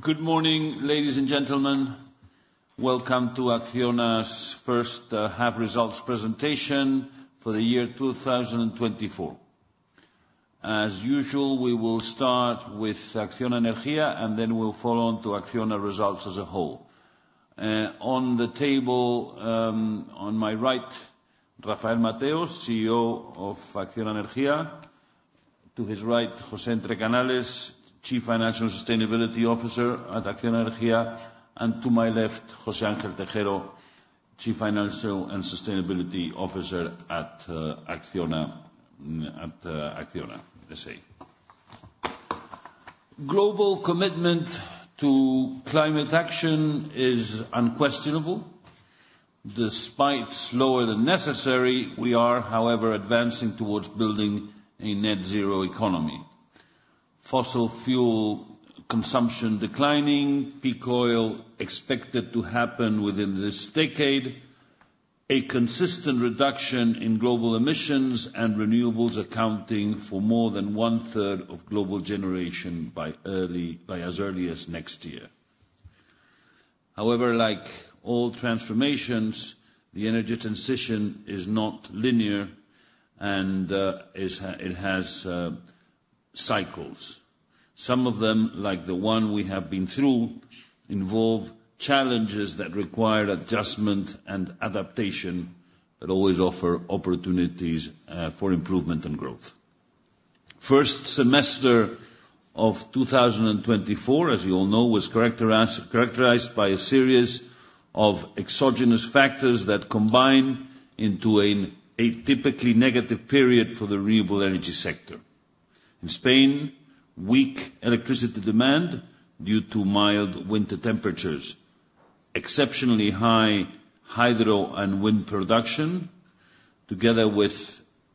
Good morning, ladies and gentlemen. Welcome to Acciona's first half results presentation for the year 2024. As usual, we will start with Acciona Energía, and then we'll follow on to Acciona results as a whole. On the table, on my right, Rafael Mateo, CEO of Acciona Energía. To his right, José Entrecanales, Chief Financial and Sustainability Officer at Acciona Energía, and to my left, José Ángel Tejero, Chief Financial and Sustainability Officer at Acciona, S.A. Global commitment to climate action is unquestionable. Despite slower than necessary, we are, however, advancing towards building a net zero economy. Fossil fuel consumption declining, peak oil expected to happen within this decade, a consistent reduction in global emissions, and renewables accounting for more than one-third of global generation by as early as next year. However, like all transformations, the energy transition is not linear, and it has cycles. Some of them, like the one we have been through, involve challenges that require adjustment and adaptation, but always offer opportunities for improvement and growth. First semester of 2024, as you all know, was characterized by a series of exogenous factors that combine into an atypically negative period for the renewable energy sector. In Spain, weak electricity demand due to mild winter temperatures, exceptionally high hydro and wind production, together with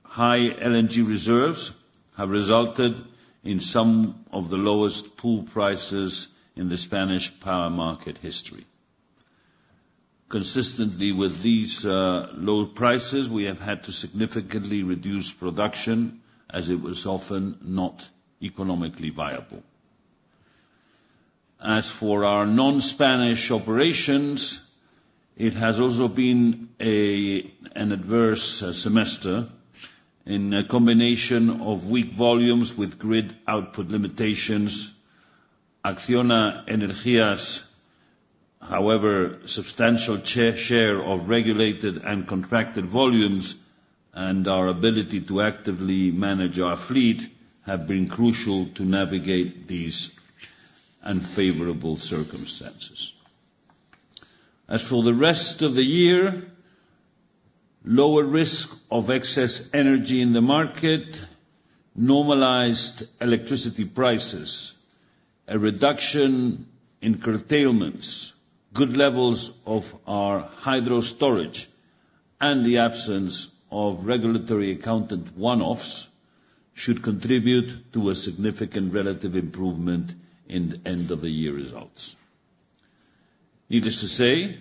high LNG reserves, have resulted in some of the lowest pool prices in the Spanish power market history. Consistently with these low prices, we have had to significantly reduce production, as it was often not economically viable. As for our non-Spanish operations, it has also been an adverse semester. In a combination of weak volumes with grid output limitations, Acciona Energía's, however, substantial share of regulated and contracted volumes, and our ability to actively manage our fleet, have been crucial to navigate these unfavorable circumstances. As for the rest of the year, lower risk of excess energy in the market, normalized electricity prices, a reduction in curtailments, good levels of our hydro storage, and the absence of regulatory accounting one-offs, should contribute to a significant relative improvement in the end-of-year results. Needless to say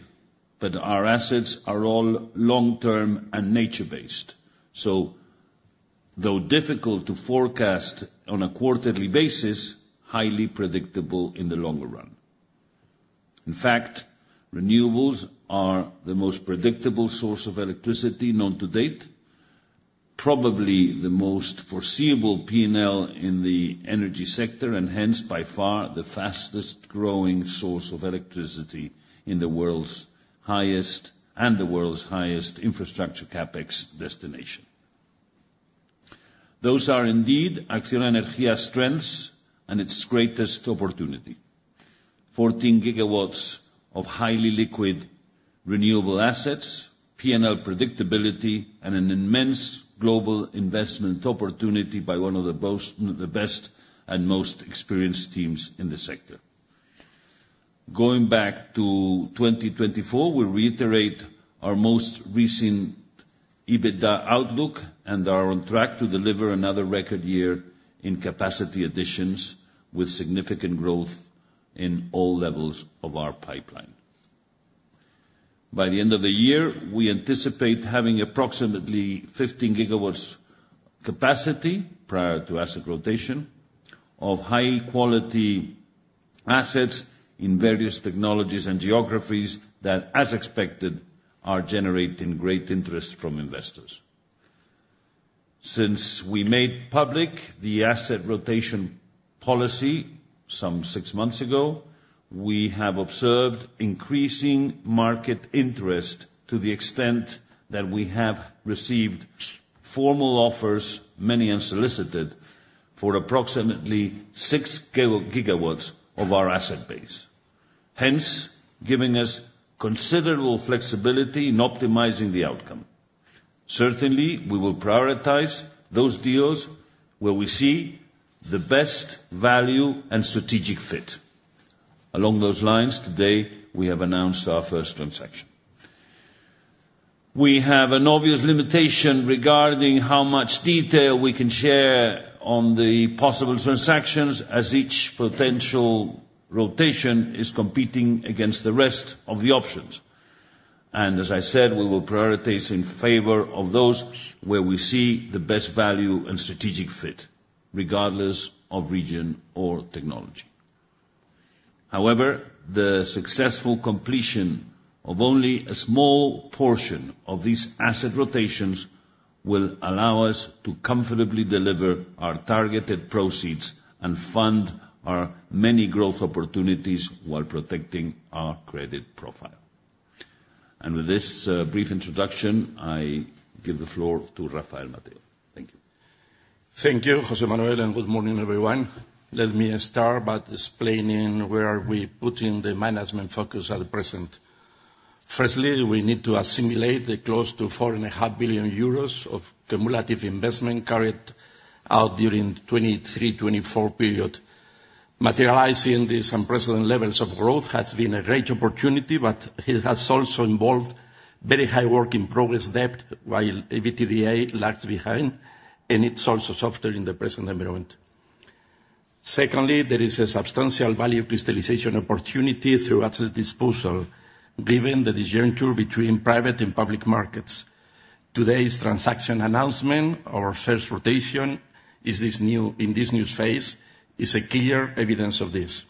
that our assets are all long-term and nature-based, so though difficult to forecast on a quarterly basis, highly predictable in the longer run. In fact, renewables are the most predictable source of electricity known to date, probably the most foreseeable P&L in the energy sector, and hence, by far, the fastest-growing source of electricity in the world's highest- and the world's highest infrastructure CapEx destination. Those are indeed Acciona Energía's strengths and its greatest opportunity. 14 GW of highly liquid, renewable assets, P&L predictability, and an immense global investment opportunity by one of the most- the best and most experienced teams in the sector. Going back to 2024, we reiterate our most recent EBITDA outlook and are on track to deliver another record year in capacity additions, with significant growth in all levels of our pipeline. By the end of the year, we anticipate having approximately 15 GW capacity, prior to asset rotation, of high-quality assets in various technologies and geographies that, as expected, are generating great interest from investors. Since we made public the asset rotation policy some six months ago, we have observed increasing market interest to the extent that we have received formal offers, many unsolicited, for approximately 6 GW of our asset base, hence, giving us considerable flexibility in optimizing the outcome. Certainly, we will prioritize those deals where we see the best value and strategic fit. Along those lines, today, we have announced our first transaction. We have an obvious limitation regarding how much detail we can share on the possible transactions, as each potential rotation is competing against the rest of the options... and as I said, we will prioritize in favor of those where we see the best value and strategic fit, regardless of region or technology. However, the successful completion of only a small portion of these asset rotations will allow us to comfortably deliver our targeted proceeds and fund our many growth opportunities, while protecting our credit profile. And with this, brief introduction, I give the floor to Rafael Mateo. Thank you. Thank you, José Manuel, and good morning, everyone. Let me start by explaining where we are putting the management focus at present. Firstly, we need to assimilate the close to 4.5 billion euros of cumulative investment carried out during the 2023, 2024 period. Materializing these unprecedented levels of growth has been a great opportunity, but it has also involved very high work in progress debt, while EBITDA lags behind, and it's also softer in the present environment. Secondly, there is a substantial value crystallization opportunity through asset disposal, given the disjuncture between private and public markets. Today's transaction announcement, our first rotation in this new phase, is clear evidence of this.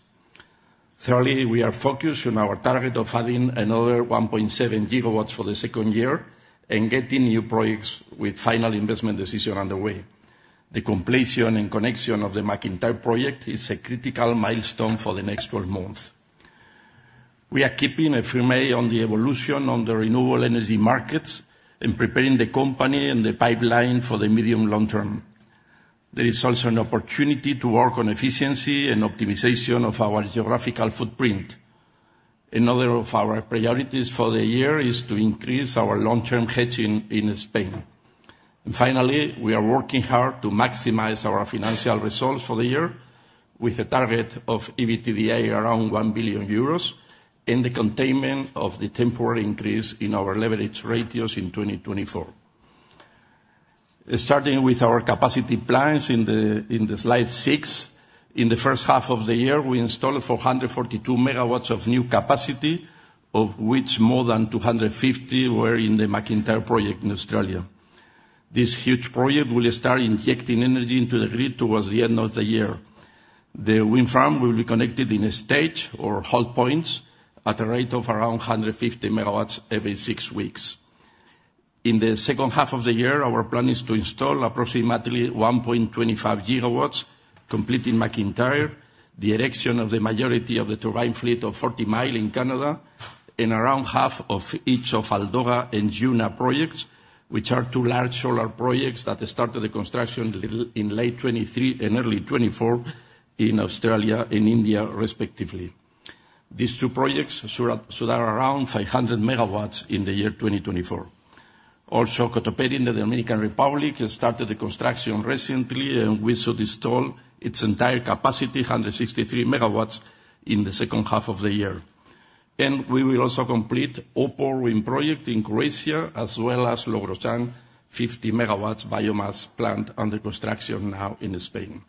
Thirdly, we are focused on our target of adding another 1.7 GW for the second year and getting new projects with final investment decision underway. The completion and connection of the MacIntyre project is a critical milestone for the next 12 months. We are keeping a firm eye on the evolution of the renewable energy markets and preparing the company and the pipeline for the medium long term. There is also an opportunity to work on efficiency and optimization of our geographical footprint. Another of our priorities for the year is to increase our long-term hedging in Spain. Finally, we are working hard to maximize our financial results for the year, with a target of EBITDA around 1 billion euros, and the containment of the temporary increase in our leverage ratios in 2024. Starting with our capacity plans in the slide six, in the first half of the year, we installed 442 MW of new capacity, of which more than 250 were in the MacIntyre project in Australia. This huge project will start injecting energy into the grid towards the end of the year. The wind farm will be connected in a stage or hold points at a rate of around 150 MW every six weeks. In the second half of the year, our plan is to install approximately 1.25 GW, completing MacIntyre, the erection of the majority of the turbine fleet of Forty Mile in Canada, and around half of each of Aldoga and Juna projects, which are two large solar projects that started the construction in late 2023 and early 2024 in Australia and India, respectively. These two projects should add around 500 MW in the year 2024. Also, Cotoperí in the Dominican Republic has started the construction recently, and we should install its entire capacity, 163 MW, in the second half of the year. Then we will also complete Opor wind project in Croatia, as well as Logrosán, 50 MW biomass plant under construction now in Spain.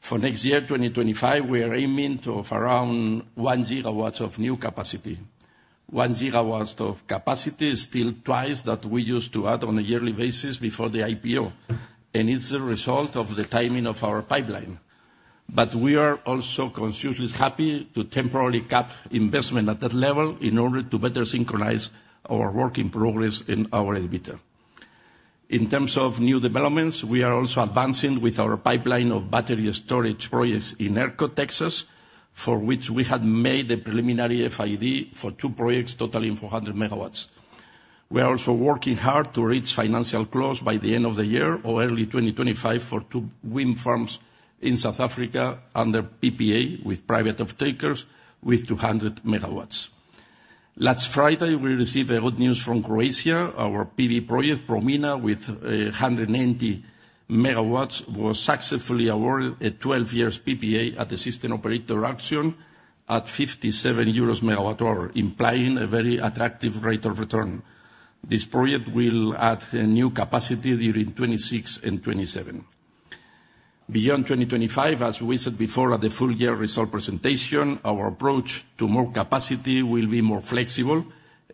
For next year, 2025, we are aiming to of around 1 GW of new capacity. 1 GW of capacity is still twice that we used to add on a yearly basis before the IPO, and it's a result of the timing of our pipeline. But we are also consciously happy to temporarily cap investment at that level in order to better synchronize our work in progress and our EBITDA. In terms of new developments, we are also advancing with our pipeline of battery storage projects in ERCOT, Texas, for which we have made a preliminary FID for two projects totaling 400 MW. We are also working hard to reach financial close by the end of the year or early 2025 for two wind farms in South Africa under PPA, with private off-takers with 200 MW. Last Friday, we received a good news from Croatia. Our PV project, Promina, with 180 MW, was successfully awarded a 12-year PPA at the system operator auction at 57 euros per MWh, implying a very attractive rate of return. This project will add a new capacity during 2026 and 2027. Beyond 2025, as we said before, at the full year result presentation, our approach to more capacity will be more flexible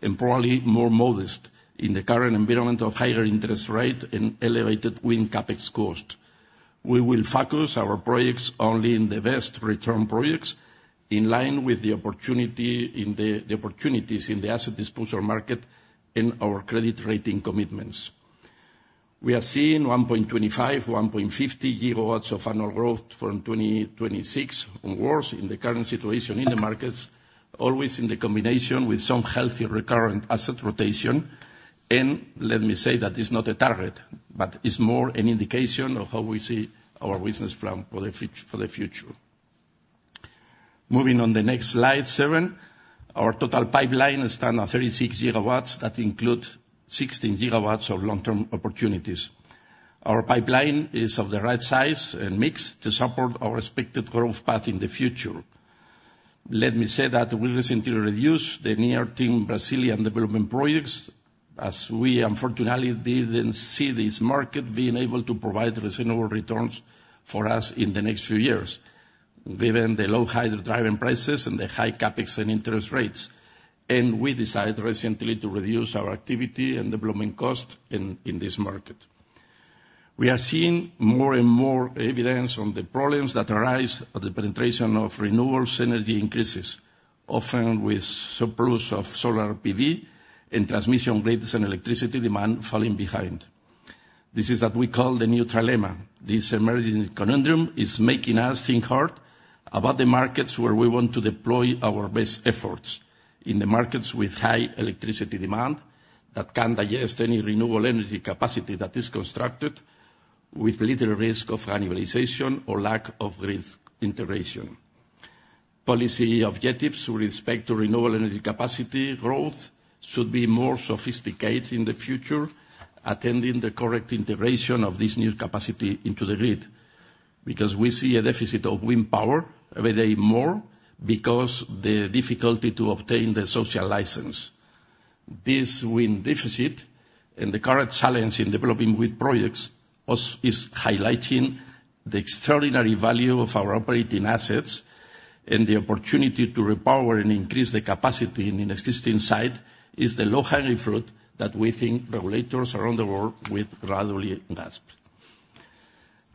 and probably more modest in the current environment of higher interest rate and elevated wind CapEx cost. We will focus our projects only in the best return projects, in line with the opportunity in the opportunities in the asset disposal market and our credit rating commitments. We are seeing 1.25 GW-1.50 GW of annual growth from 2026 onwards in the current situation in the markets, always in the combination with some healthy recurrent asset rotation. And let me say that is not a target, but it's more an indication of how we see our business plan for the for the future. Moving on the next slide seven. Our total pipeline stands at 36 GW, that include 16 GW of long-term opportunities. Our pipeline is of the right size and mix to support our expected growth path in the future. Let me say that we recently reduced the near-term Brazilian development projects, as we unfortunately didn't see this market being able to provide reasonable returns for us in the next few years, given the low hydro-driven prices and the high CapEx and interest rates. We decided recently to reduce our activity and development cost in, in this market. We are seeing more and more evidence on the problems that arise of the penetration of renewable energy increases, often with surplus of solar PV, and transmission rates and electricity demand falling behind. This is what we call the new trilemma. This emerging conundrum is making us think hard about the markets where we want to deploy our best efforts. In the markets with high electricity demand, that can digest any renewable energy capacity that is constructed, with little risk of cannibalization or lack of grid integration. Policy objectives with respect to renewable energy capacity growth should be more sophisticated in the future, attending the correct integration of this new capacity into the grid, because we see a deficit of wind power every day more, because the difficulty to obtain the social license. This wind deficit, and the current challenge in developing wind projects, also is highlighting the extraordinary value of our operating assets, and the opportunity to repower and increase the capacity in an existing site, is the low-hanging fruit that we think regulators around the world will gradually grasp.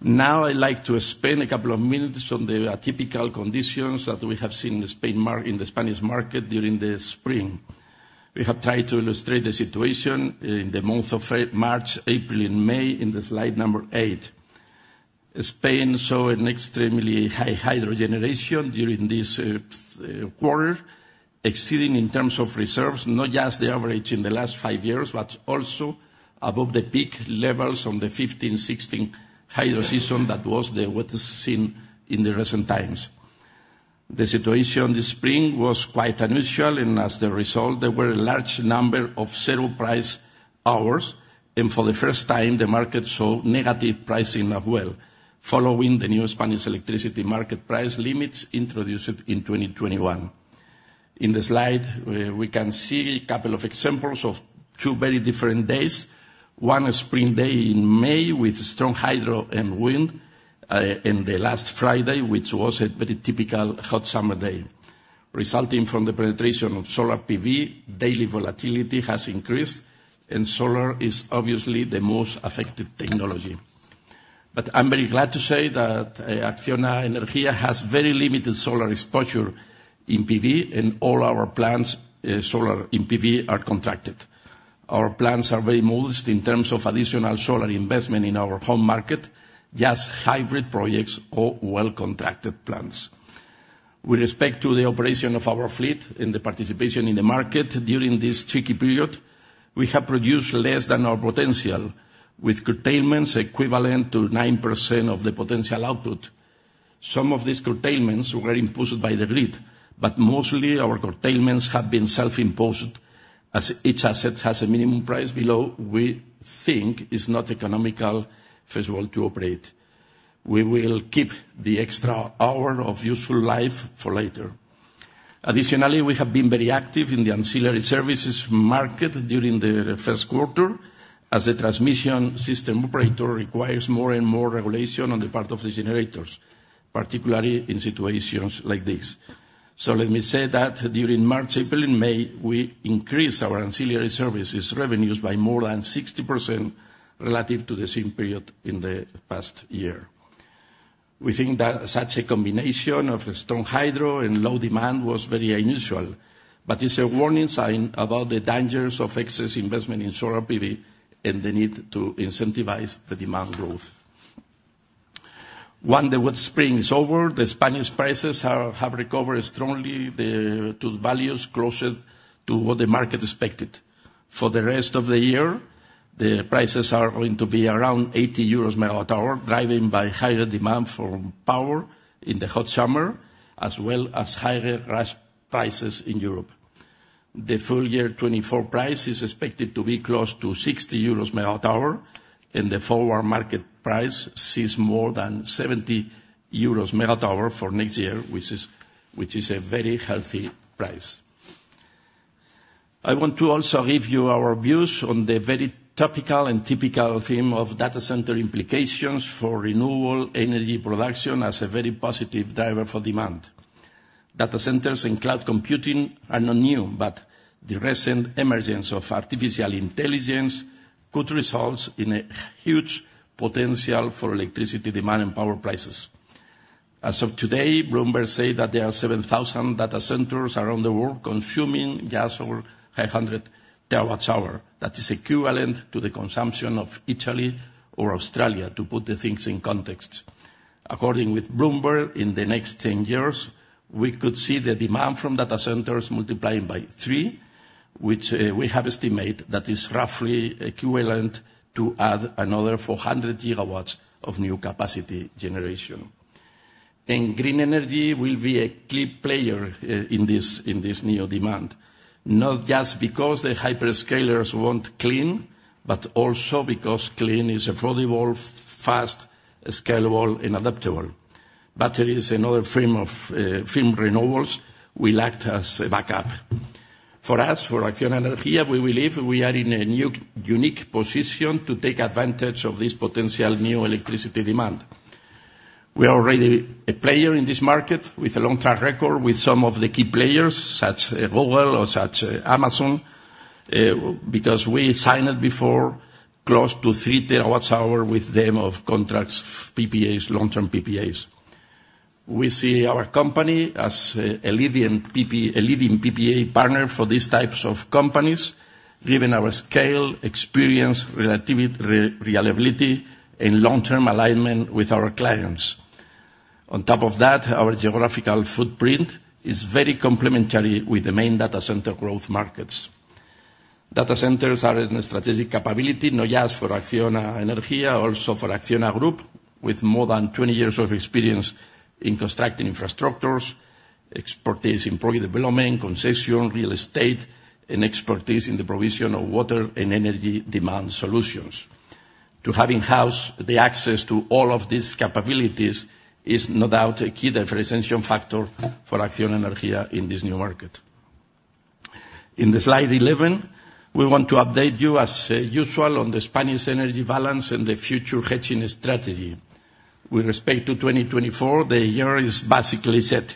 Now, I'd like to spend a couple of minutes on the atypical conditions that we have seen in the Spanish market during the spring. We have tried to illustrate the situation in the month of March, April, and May, in the slide number eight. Spain saw an extremely high hydro generation during this quarter, exceeding in terms of reserves, not just the average in the last 5 years, but also above the peak levels on the 2015-16 hydro season that was the wettest seen in the recent times. The situation this spring was quite unusual, and as the result, there were a large number of zero price hours, and for the first time, the market saw negative pricing as well, following the new Spanish electricity market price limits introduced in 2021. In the slide, we can see a couple of examples of two very different days. One, a spring day in May with strong hydro and wind, and the last Friday, which was a very typical hot summer day. Resulting from the penetration of solar PV, daily volatility has increased, and solar is obviously the most affected technology. But I'm very glad to say that, Acciona Energía has very limited solar exposure in PV, and all our plants, solar in PV, are contracted. Our plants are very modest in terms of additional solar investment in our home market, just hybrid projects or well-contracted plants. With respect to the operation of our fleet and the participation in the market during this tricky period, we have produced less than our potential, with curtailments equivalent to 9% of the potential output. Some of these curtailments were imposed by the grid, but mostly our curtailments have been self-imposed, as each asset has a minimum price below we think is not economical, first of all, to operate. We will keep the extra hour of useful life for later. Additionally, we have been very active in the ancillary services market during the first quarter, as the transmission system operator requires more and more regulation on the part of the generators, particularly in situations like this. So let me say that during March, April, and May, we increased our ancillary services revenues by more than 60% relative to the same period in the past year. We think that such a combination of strong hydro and low demand was very unusual, but it's a warning sign about the dangers of excess investment in solar PV and the need to incentivize the demand growth. One, the wet spring is over. The Spanish prices have recovered strongly to the values closer to what the market expected. For the rest of the year, the prices are going to be around 80 euros per MWh, driven by higher demand for power in the hot summer, as well as higher gas prices in Europe. The full year 2024 price is expected to be close to 60 euros per MWh, and the forward market price sees more than 70 euros per MWh for next year, which is a very healthy price. I want to also give you our views on the very topical and typical theme of data center implications for renewable energy production as a very positive driver for demand. Data centers and cloud computing are not new, but the recent emergence of artificial intelligence could result in a huge potential for electricity demand and power prices. As of today, Bloomberg say that there are 7,000 data centers around the world consuming just over 500 TWh. That is equivalent to the consumption of Italy or Australia, to put the things in context. According with Bloomberg, in the next 10 years, we could see the demand from data centers multiplying by 3, which, we have estimated that is roughly equivalent to add another 400 GW of new capacity generation. And green energy will be a key player in this, in this new demand, not just because the hyperscalers want clean, but also because clean is affordable, fast, scalable, and adaptable.... batteries and other frame of, frame renewals will act as a backup. For us, for Acciona Energía, we believe we are in a new unique position to take advantage of this potential new electricity demand. We are already a player in this market with a long-term record with some of the key players, such as Google or such Amazon, because we signed it before close to 3 terawatt hours with them of contracts, PPAs, long-term PPAs. We see our company as a leading PPA partner for these types of companies, given our scale, experience, relativity, reliability, and long-term alignment with our clients. On top of that, our geographical footprint is very complementary with the main data center growth markets. Data centers are in a strategic capability, not just for Acciona Energía, also for Acciona Group, with more than 20 years of experience in constructing infrastructures, expertise in project development, concession, real estate, and expertise in the provision of water and energy demand solutions. To have in-house the access to all of these capabilities is no doubt a key differentiation factor for Acciona Energía in this new market. In the slide 11, we want to update you, as usual, on the Spanish energy balance and the future hedging strategy. With respect to 2024, the year is basically set.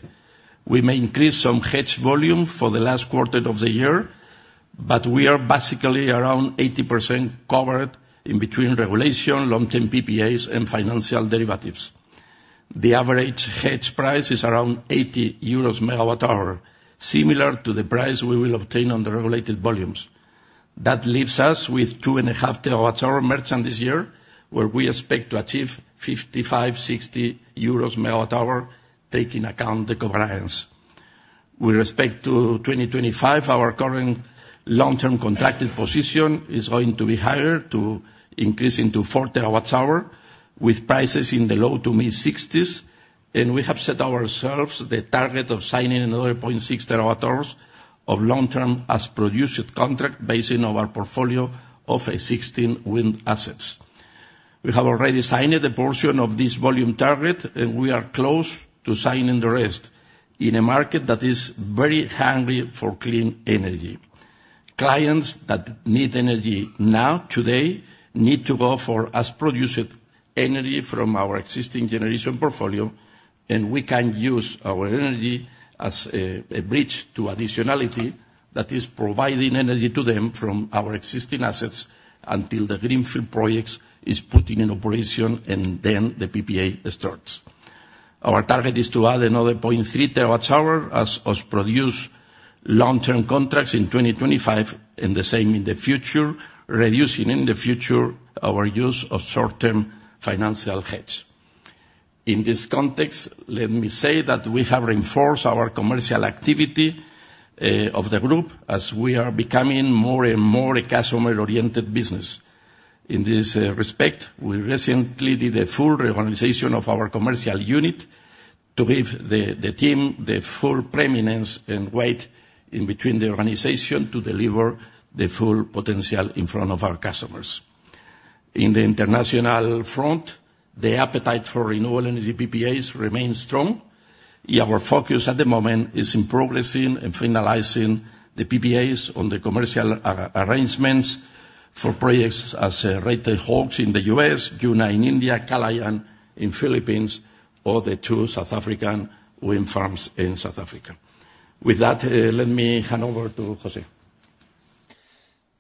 We may increase some hedge volume for the last quarter of the year, but we are basically around 80% covered in between regulation, long-term PPAs, and financial derivatives. The average hedge price is around 80 euros per MWh, similar to the price we will obtain on the regulated volumes. That leaves us with 2.5 TWh merchant this year, where we expect to achieve 55-60 euros per MWh, taking account the coverage. With respect to 2025, our current long-term contracted position is going to be higher, to increase into 4 TWh, with prices in the low to mid-60s, and we have set ourselves the target of signing another 0.6 TWh of long-term as-produced contract basing of our portfolio of 16 wind assets. We have already signed the portion of this volume target, and we are close to signing the rest in a market that is very hungry for clean energy. Clients that need energy now, today, need to go for as-produced energy from our existing generation portfolio, and we can use our energy as a bridge to additionality that is providing energy to them from our existing assets until the greenfield projects is put in operation, and then the PPA starts. Our target is to add another 0.3 terawatt-hours as-produced long-term contracts in 2025, and the same in the future, reducing in the future our use of short-term financial hedge. In this context, let me say that we have reinforced our commercial activity of the group as we are becoming more and more a customer-oriented business. In this respect, we recently did a full reorganization of our commercial unit to give the team the full preeminence and weight in between the organization to deliver the full potential in front of our customers. In the international front, the appetite for renewable energy PPAs remains strong. Our focus at the moment is in progressing and finalizing the PPAs on the commercial arrangements for projects as Red-Tailed Hawk in the U.S., Juna in India, Kalayaan in the Philippines, or the two South African wind farms in South Africa. With that, let me hand over to José.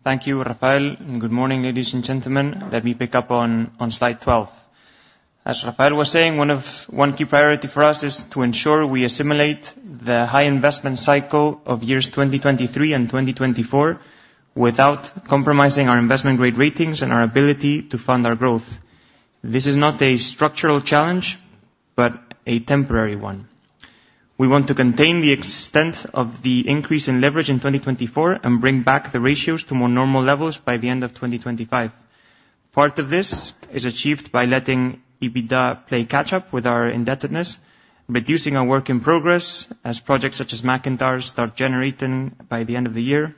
Thank you, Rafael, and good morning, ladies and gentlemen. Let me pick up on slide 12. As Rafael was saying, one key priority for us is to ensure we assimilate the high investment cycle of years 2023 and 2024 without compromising our investment-grade ratings and our ability to fund our growth. This is not a structural challenge, but a temporary one. We want to contain the extent of the increase in leverage in 2024 and bring back the ratios to more normal levels by the end of 2025. Part of this is achieved by letting EBITDA play catch up with our indebtedness, reducing our work in progress as projects such as MacIntyre start generating by the end of the year,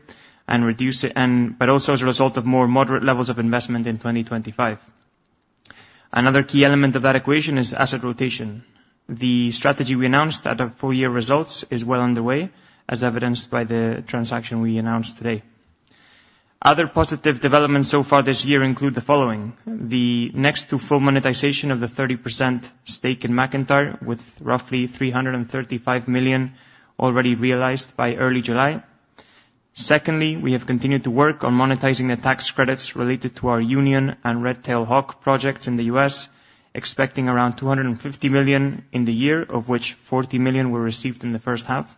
but also as a result of more moderate levels of investment in 2025. Another key element of that equation is asset rotation. The strategy we announced at our full year results is well underway, as evidenced by the transaction we announced today. Other positive developments so far this year include the following: the next to full monetization of the 30% stake in MacIntyre, with roughly 335 million already realized by early July. Secondly, we have continued to work on monetizing the tax credits related to our Union and Red-Tailed Hawk projects in the U.S., expecting around 250 million in the year, of which 40 million were received in the first half.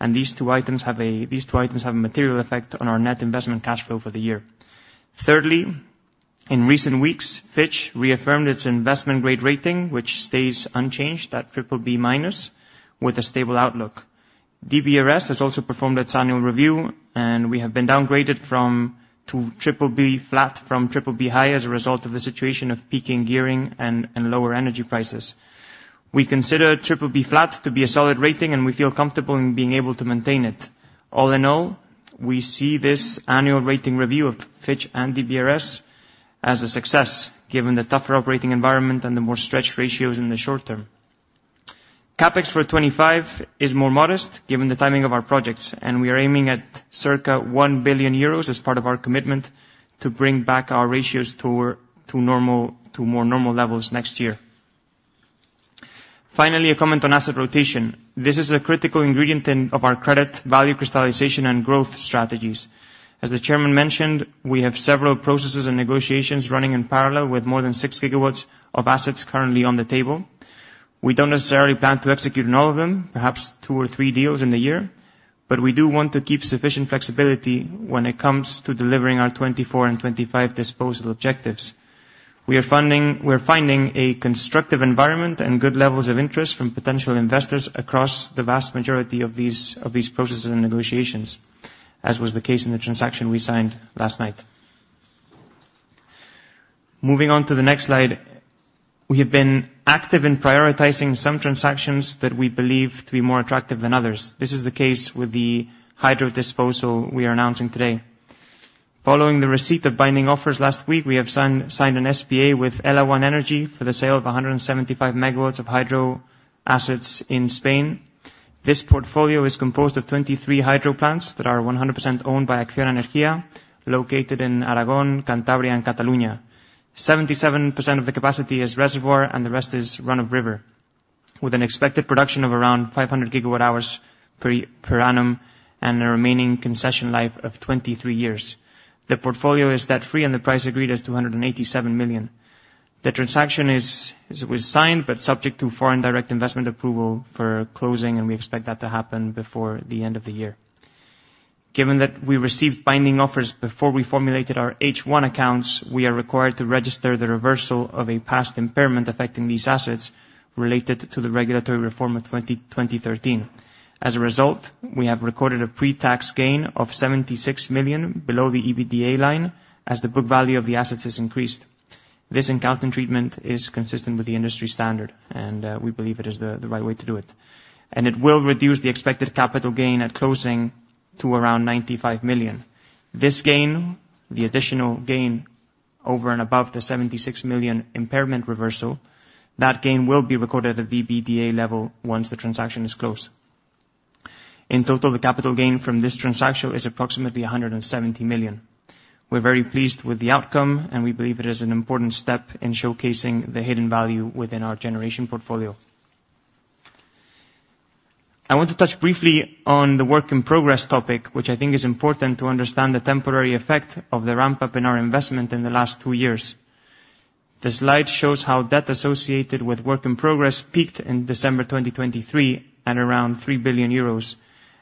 And these two items have a material effect on our net investment cash flow for the year. Thirdly, in recent weeks, Fitch reaffirmed its investment-grade rating, which stays unchanged at BBB minus, with a stable outlook. DBRS Morningstar has also performed its annual review, and we have been downgraded from triple B high to triple B flat, as a result of the situation of peaking gearing and lower energy prices. We consider triple B flat to be a solid rating, and we feel comfortable in being able to maintain it. All in all... We see this annual rating review of Fitch and DBRS Morningstar as a success, given the tougher operating environment and the more stretched ratios in the short term. CapEx for 2025 is more modest, given the timing of our projects, and we are aiming at circa 1 billion euros as part of our commitment to bring back our ratios to normal, to more normal levels next year. Finally, a comment on asset rotation. This is a critical ingredient in our credit, value crystallization, and growth strategies. As the chairman mentioned, we have several processes and negotiations running in parallel with more than 6 GW of assets currently on the table. We don't necessarily plan to execute on all of them, perhaps two or three deals in a year, but we do want to keep sufficient flexibility when it comes to delivering our 2024 and 2025 disposal objectives. We are funding, we're finding a constructive environment and good levels of interest from potential investors across the vast majority of these, of these processes and negotiations, as was the case in the transaction we signed last night. Moving on to the next slide. We have been active in prioritizing some transactions that we believe to be more attractive than others. This is the case with the hydro disposal we are announcing today. Following the receipt of binding offers last week, we have signed an SPA with Elawan Energy for the sale of 175 MW of hydro assets in Spain. This portfolio is composed of 23 hydro plants that are 100% owned by Acciona Energía, located in Aragón, Cantabria, and Catalunya. 77% of the capacity is reservoir, and the rest is run-of-river, with an expected production of around 500 GWh per annum and a remaining concession life of 23 years. The portfolio is debt-free, and the price agreed is 287 million. The transaction was signed, but subject to foreign direct investment approval for closing, and we expect that to happen before the end of the year. Given that we received binding offers before we formulated our H1 accounts, we are required to register the reversal of a past impairment affecting these assets related to the regulatory reform of 2013. As a result, we have recorded a pre-tax gain of 76 million below the EBITDA line, as the book value of the assets has increased. This accounting treatment is consistent with the industry standard, and we believe it is the right way to do it. It will reduce the expected capital gain at closing to around 95 million. This gain, the additional gain over and above the 76 million impairment reversal, that gain will be recorded at the EBITDA level once the transaction is closed. In total, the capital gain from this transaction is approximately 170 million. We're very pleased with the outcome, and we believe it is an important step in showcasing the hidden value within our generation portfolio. I want to touch briefly on the work in progress topic, which I think is important to understand the temporary effect of the ramp-up in our investment in the last two years. The slide shows how debt associated with work in progress peaked in December 2023, at around 3 billion euros,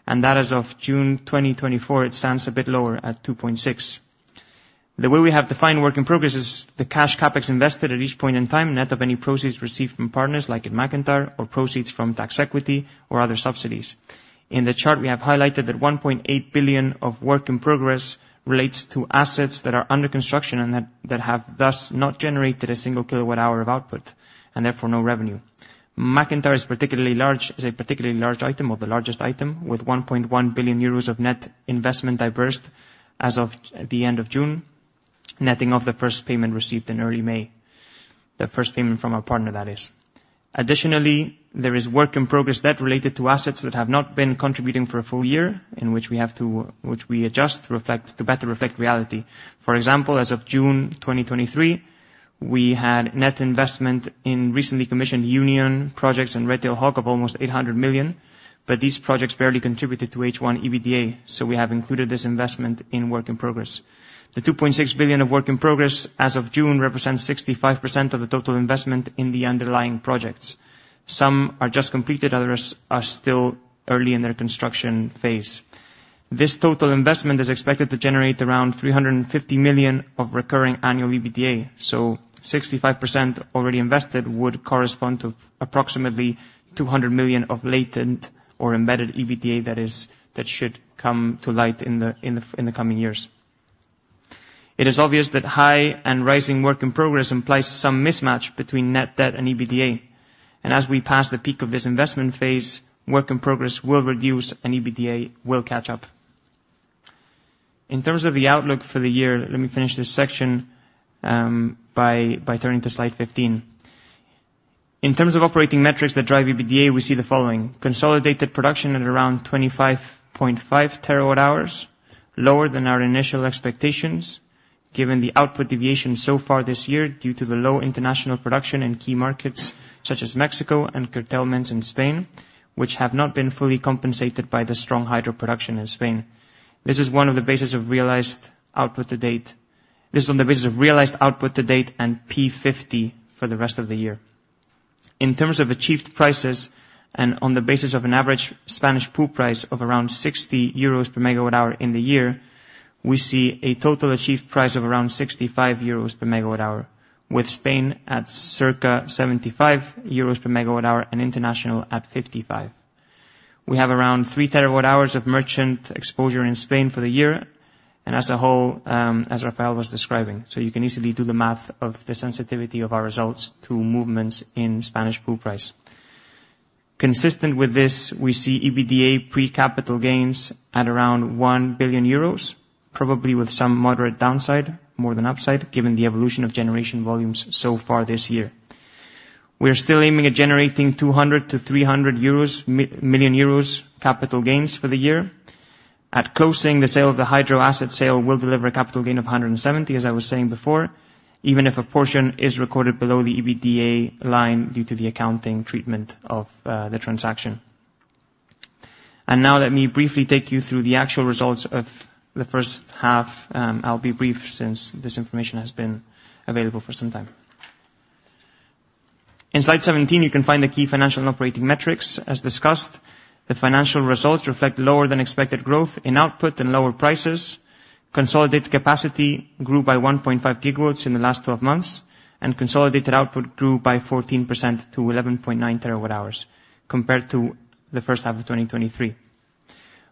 and that as of June 2024, it stands a bit lower at 2.6 billion. The way we have defined work in progress is the cash CapEx invested at each point in time, net of any proceeds received from partners, like in MacIntyre, or proceeds from tax equity or other subsidies. In the chart, we have highlighted that 1.8 billion of work in progress relates to assets that are under construction and that have thus not generated a single kilowatt hour of output, and therefore no revenue. MacIntyre is particularly large, is a particularly large item, or the largest item, with 1.1 billion euros of net investment divested as of the end of June, netting off the first payment received in early May. The first payment from our partner, that is. Additionally, there is work in progress debt related to assets that have not been contributing for a full year, which we adjust to reflect, to better reflect reality. For example, as of June 2023, we had net investment in recently commissioned Union projects and Red-Tailed Hawk of almost 800 million, but these projects barely contributed to H1 EBITDA, so we have included this investment in work in progress. The 2.6 billion of work in progress as of June represents 65% of the total investment in the underlying projects. Some are just completed, others are still early in their construction phase. This total investment is expected to generate around 350 million of recurring annual EBITDA, so 65% already invested would correspond to approximately 200 million of latent or embedded EBITDA, that is, that should come to light in the coming years. It is obvious that high and rising work in progress implies some mismatch between net debt and EBITDA, and as we pass the peak of this investment phase, work in progress will reduce and EBITDA will catch up. In terms of the outlook for the year, let me finish this section by turning to slide 15. In terms of operating metrics that drive EBITDA, we see the following: consolidated production at around 25.5 terawatt-hours, lower than our initial expectations, given the output deviation so far this year due to the low international production in key markets such as Mexico and curtailments in Spain, which have not been fully compensated by the strong hydro production in Spain. This is on the basis of realized output to date. This is on the basis of realized output to date and P50 for the rest of the year. In terms of achieved prices and on the basis of an average Spanish pool price of around 60 euros per MWh in the year, we see a total achieved price of around 6 euros per MWh, with Spain at circa 75 euros per MWh and international at 55. We have around 3 TWh of merchant exposure in Spain for the year and as a whole, as Rafael was describing, so you can easily do the math of the sensitivity of our results to movements in Spanish pool price. Consistent with this, we see EBITDA pre-capital gains at around 1 billion euros, probably with some moderate downside, more than upside, given the evolution of generation volumes so far this year. We are still aiming at generating 200 million-300 million euros capital gains for the year. At closing, the sale of the hydro asset sale will deliver a capital gain of 170, as I was saying before, even if a portion is recorded below the EBITDA line due to the accounting treatment of the transaction. Now let me briefly take you through the actual results of the first half. I'll be brief, since this information has been available for some time. In slide 17, you can find the key financial and operating metrics. As discussed, the financial results reflect lower than expected growth in output and lower prices. Consolidated capacity grew by 1.5 GW in the last 12 months, and consolidated output grew by 14% to 11.9 TWh, compared to the first half of 2023.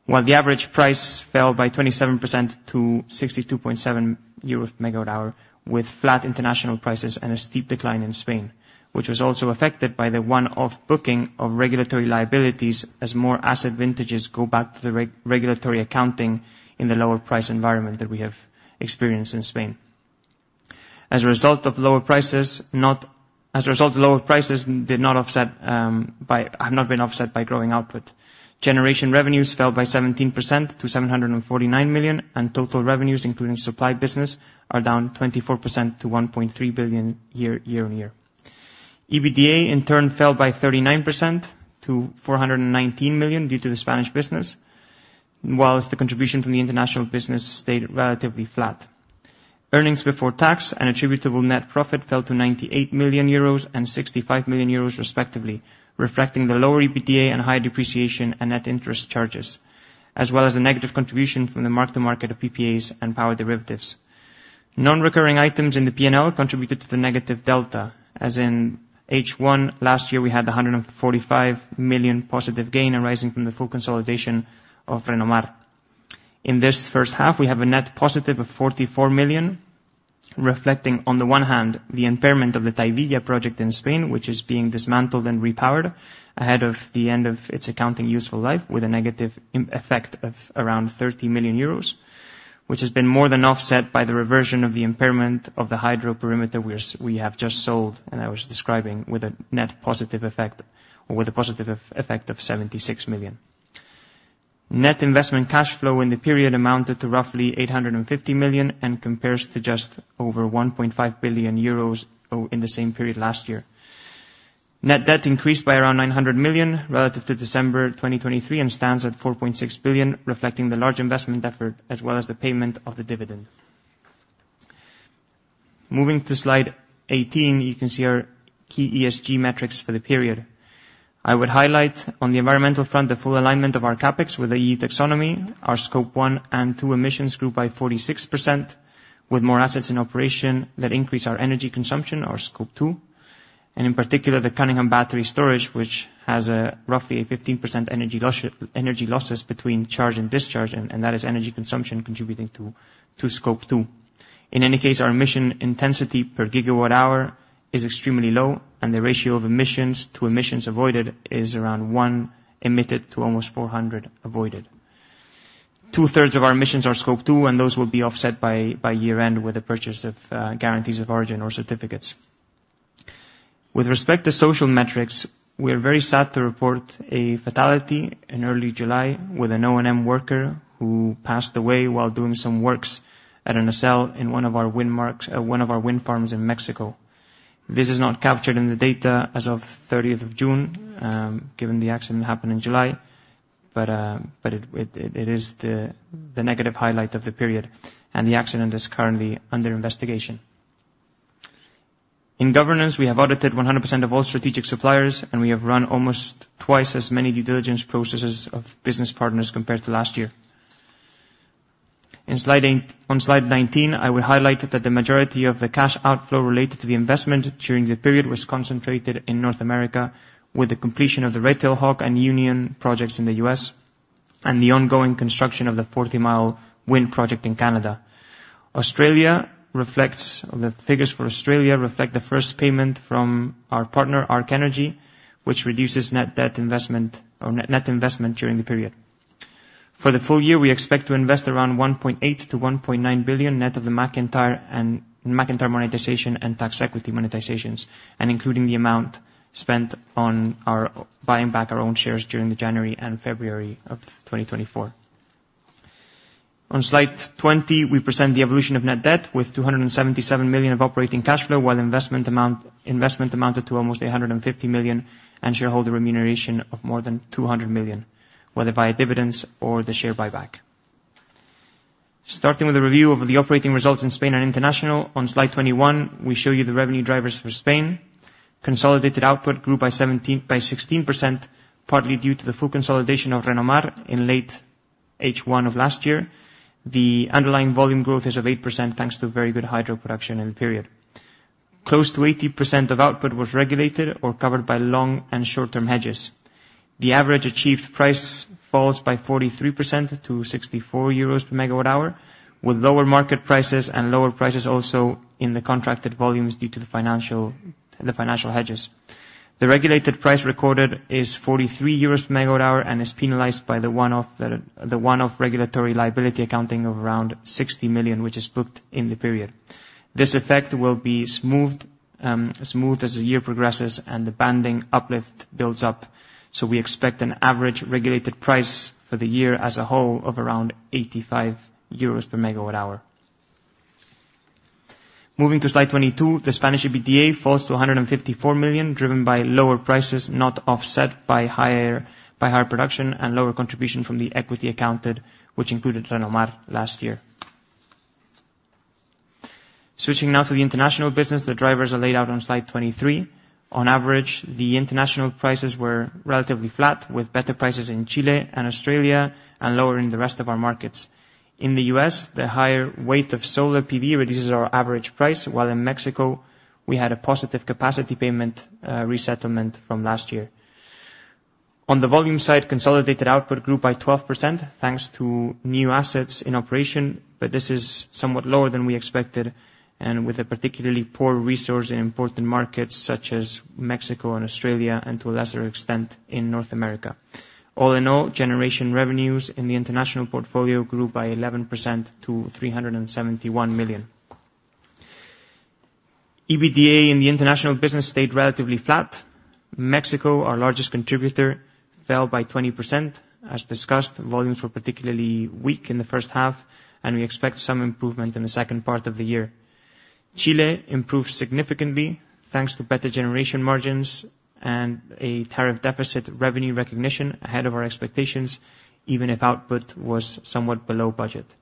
While the average price fell by 27% to 62.7 euros per MWh, with flat international prices and a steep decline in Spain, which was also affected by the one-off booking of regulatory liabilities as more asset vintages go back to the regulatory accounting in the lower price environment that we have experienced in Spain. As a result, the lower prices have not been offset by growing output. Generation revenues fell by 17% to 749 million, and total revenues, including supply business, are down 24% to 1.3 billion year-on-year. EBITDA, in turn, fell by 39% to 419 million due to the Spanish business, while the contribution from the international business stayed relatively flat. Earnings before tax and attributable net profit fell to 98 million euros and 65 million euros, respectively, reflecting the lower EBITDA and high depreciation and net interest charges, as well as the negative contribution from the mark-to-market of PPAs and power derivatives. Non-recurring items in the P&L contributed to the negative delta, as in H1 last year, we had a 145 million positive gain arising from the full consolidation of Renomar. In this first half, we have a net positive of 44 million, reflecting, on the one hand, the impairment of the Tahivilla project in Spain, which is being dismantled and repowered ahead of the end of its accounting useful life with a negative impact of around 30 million euros, which has been more than offset by the reversion of the impairment of the hydro perimeter we have just sold, and I was describing, with a net positive effect, or with a positive effect of 76 million. Net investment cash flow in the period amounted to roughly 850 million and compares to just over 1.5 billion euros in the same period last year. Net debt increased by around 900 million relative to December 2023, and stands at 4.6 billion, reflecting the large investment effort as well as the payment of the dividend. Moving to slide 18, you can see our key ESG metrics for the period. I would highlight, on the environmental front, the full alignment of our CapEx with the EU Taxonomy. Our Scope 1 and 2 emissions grew by 46%, with more assets in operation that increase our energy consumption, our Scope 2, and in particular, the Cunningham battery storage, which has a roughly a 15% energy loss energy losses between charge and discharge, and, and that is energy consumption contributing to, to Scope 2. In any case, our emission intensity per gigawatt hour is extremely low, and the ratio of emissions to emissions avoided is around 1 emitted to almost 400 avoided. Two-thirds of our emissions are Scope 2, and those will be offset by year-end with the purchase of guarantees of origin or certificates. With respect to social metrics, we are very sad to report a fatality in early July with an O&M worker who passed away while doing some works at a cell in one of our wind farms in Mexico. This is not captured in the data as of thirtieth of June, given the accident happened in July, but it is the negative highlight of the period, and the accident is currently under investigation. In governance, we have audited 100% of all strategic suppliers, and we have run almost twice as many due diligence processes of business partners compared to last year. In slide eight, on slide 19, I will highlight that the majority of the cash outflow related to the investment during the period was concentrated in North America, with the completion of the Red-Tailed Hawk and Union projects in the U.S., and the ongoing construction of the Forty Mile Wind Project in Canada. Australia reflects... the figures for Australia reflect the first payment from our partner, Ark Energy, which reduces net debt investment or net, net investment during the period. For the full year, we expect to invest around 1.8 billion-1.9 billion net of the MacIntyre and MacIntyre monetization and tax equity monetizations, and including the amount spent on our buying back our own shares during January and February of 2024. On slide 20, we present the evolution of net debt with 277 million of operating cash flow, while investment amounted to almost 850 million and shareholder remuneration of more than 200 million, whether via dividends or the share buyback. Starting with a review of the operating results in Spain and International, on slide 21, we show you the revenue drivers for Spain. Consolidated output grew by 16%, partly due to the full consolidation of Renomar in late H1 of last year. The underlying volume growth is of 8%, thanks to very good hydro production in the period. Close to 80% of output was regulated or covered by long- and short-term hedges.... The average achieved price falls by 43% to 64 euros per megawatt hour, with lower market prices and lower prices also in the contracted volumes due to the financial hedges. The regulated price recorded is 43 euros per megawatt hour, and is penalized by the one-off regulatory liability accounting of around 60 million, which is booked in the period. This effect will be smoothed, smooth as the year progresses and the banding uplift builds up, so we expect an average regulated price for the year as a whole of around 85 euros per megawatt hour. Moving to slide 22, the Spanish EBITDA falls to 154 million, driven by lower prices, not offset by higher production and lower contribution from the equity accounted, which included Renomar last year. Switching now to the international business, the drivers are laid out on slide 23. On average, the international prices were relatively flat, with better prices in Chile and Australia and lower in the rest of our markets. In the U.S., the higher weight of solar PV reduces our average price, while in Mexico, we had a positive capacity payment, resettlement from last year. On the volume side, consolidated output grew by 12%, thanks to new assets in operation, but this is somewhat lower than we expected, and with a particularly poor resource in important markets such as Mexico and Australia, and to a lesser extent, in North America. All in all, generation revenues in the international portfolio grew by 11% to 371 million. EBITDA in the international business stayed relatively flat. Mexico, our largest contributor, fell by 20%. As discussed, volumes were particularly weak in the first half, and we expect some improvement in the second part of the year. Chile improved significantly, thanks to better generation margins and a tariff deficit revenue recognition ahead of our expectations, even if output was somewhat below budget.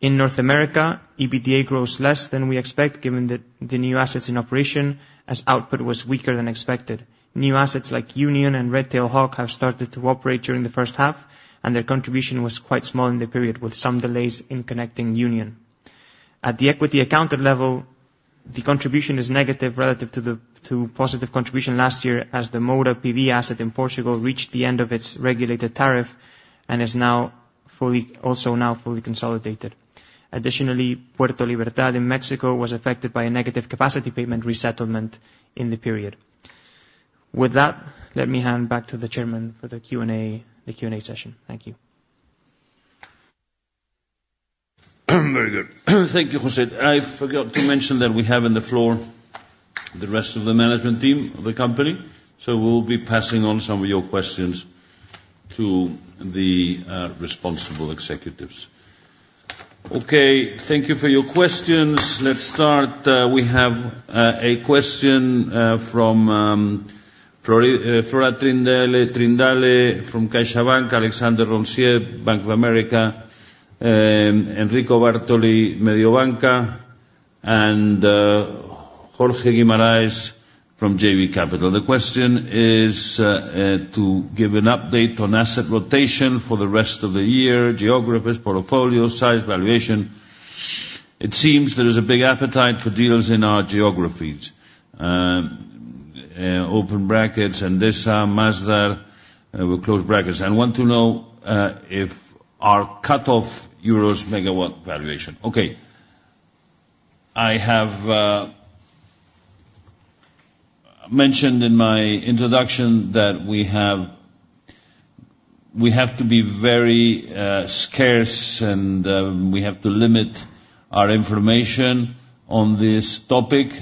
In North America, EBITDA grows less than we expect, given the new assets in operation, as output was weaker than expected. New assets like Union and Red-Tailed Hawk have started to operate during the first half, and their contribution was quite small in the period, with some delays in connecting Union. At the equity accounted level, the contribution is negative relative to the positive contribution last year, as the Moura PV asset in Portugal reached the end of its regulated tariff and is now fully consolidated. Additionally, Puerto Libertad in Mexico was affected by a negative capacity payment resettlement in the period. With that, let me hand back to the chairman for the Q&A, the Q&A session. Thank you. Very good. Thank you, José. I forgot to mention that we have on the floor the rest of the management team of the company, so we'll be passing on some of your questions to the responsible executives. Okay, thank you for your questions. Let's start. We have a question from Flora Trindade from CaixaBank, Alexandre Roncier, Bank of America, Enrico Bartoli, Mediobanca, and Jorge Guimarães from JB Capital. The question is to give an update on asset rotation for the rest of the year, geographies, portfolio, size, valuation. It seems there is a big appetite for deals in our geographies. Open brackets, Endesa, Masdar, we close brackets. I want to know if our cutoff euros megawatt valuation. Okay. I have mentioned in my introduction that we have to be very scarce, and we have to limit our information on this topic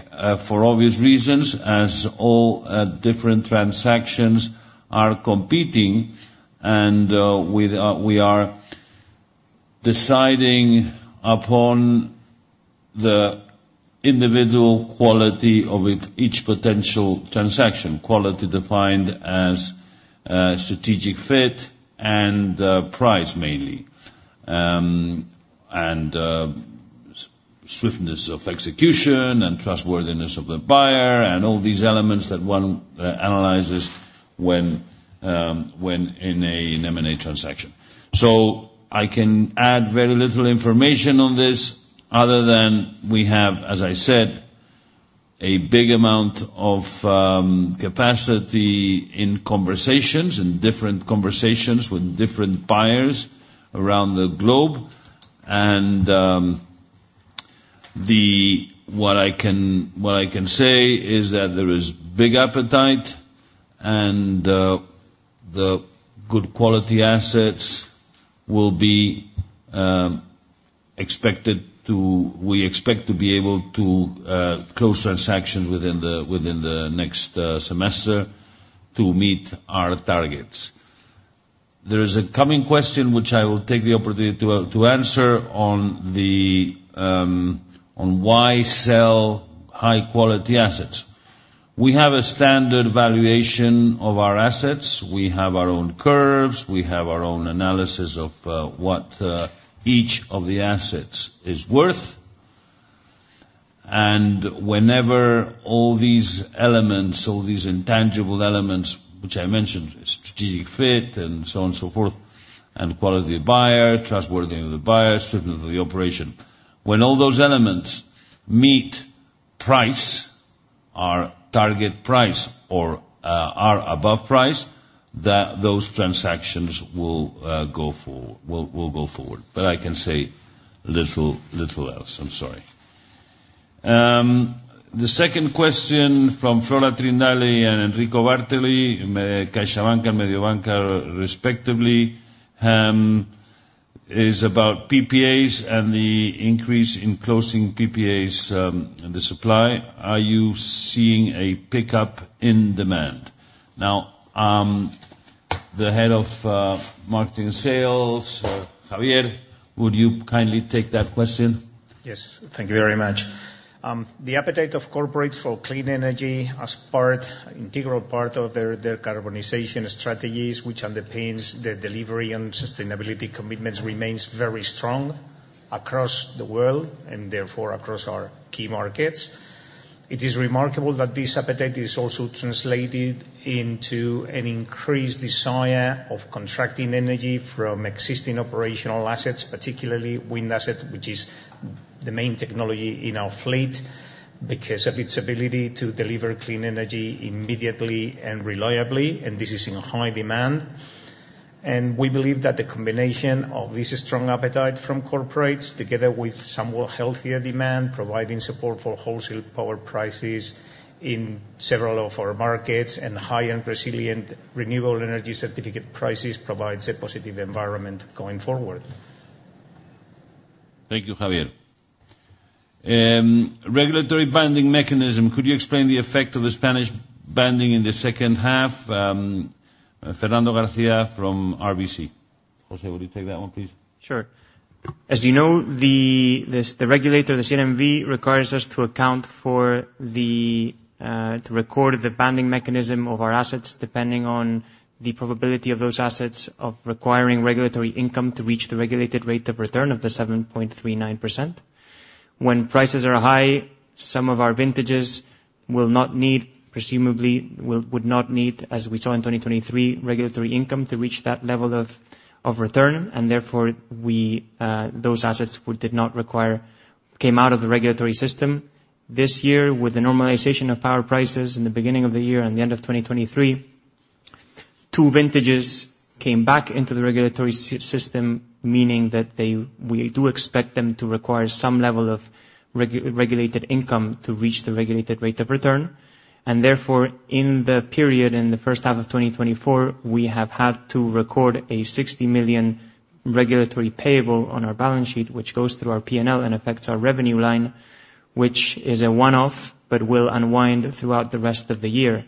for obvious reasons, as all different transactions are competing, and we are deciding upon the individual quality of each potential transaction. Quality defined as strategic fit and price, mainly. And swiftness of execution and trustworthiness of the buyer, and all these elements that one analyzes when in an M&A transaction. So I can add very little information on this other than we have, as I said, a big amount of capacity in conversations, in different conversations with different buyers around the globe. And, the... What I can say is that there is big appetite, and, the good quality assets will be expected to- we expect to be able to close transactions within the next semester to meet our targets. There is a coming question, which I will take the opportunity to answer on the, on why sell high-quality assets. We have a standard valuation of our assets. We have our own curves, we have our own analysis of what each of the assets is worth. And whenever all these elements, all these intangible elements, which I mentioned, strategic fit and so on and so forth, and quality of buyer, trustworthiness of the buyer, swiftness of the operation. When all those elements meet,... price, our target price or our above price, that those transactions will go forward. But I can say little else, I'm sorry. The second question from Flora Trindade and Enrico Bartoli, CaixaBank and Mediobanca respectively, is about PPAs and the increase in closing PPAs, and the supply. Are you seeing a pickup in demand? Now, the head of marketing and sales, Javier, would you kindly take that question? Yes, thank you very much. The appetite of corporates for clean energy as part, integral part of their, their decarbonization strategies, which underpins the delivery and sustainability commitments, remains very strong across the world, and therefore, across our key markets. It is remarkable that this appetite is also translated into an increased desire of contracting energy from existing operational assets, particularly wind assets, which is the main technology in our fleet, because of its ability to deliver clean energy immediately and reliably, and this is in high demand. We believe that the combination of this strong appetite from corporates, together with somewhat healthier demand, providing support for wholesale power prices in several of our markets, and high-end resilient renewable energy certificate prices, provides a positive environment going forward. Thank you, Javier. Regulatory banding mechanism, could you explain the effect of the Spanish banding in the second half? Fernando García from RBC. José, would you take that one, please? Sure. As you know, the regulator, the CNMC, requires us to account for to record the banding mechanism of our assets, depending on the probability of those assets of requiring regulatory income to reach the regulated rate of return of 7.39%. When prices are high, some of our vintages will not need, presumably would not need, as we saw in 2023, regulatory income to reach that level of return, and therefore those assets which did not require came out of the regulatory system. This year, with the normalization of power prices in the beginning of the year and the end of 2023, two vintages came back into the regulatory system, meaning that they, we do expect them to require some level of regulated income to reach the regulated rate of return. Therefore, in the period, in the first half of 2024, we have had to record a 60 million regulatory payable on our balance sheet, which goes through our PNL and affects our revenue line, which is a one-off, but will unwind throughout the rest of the year.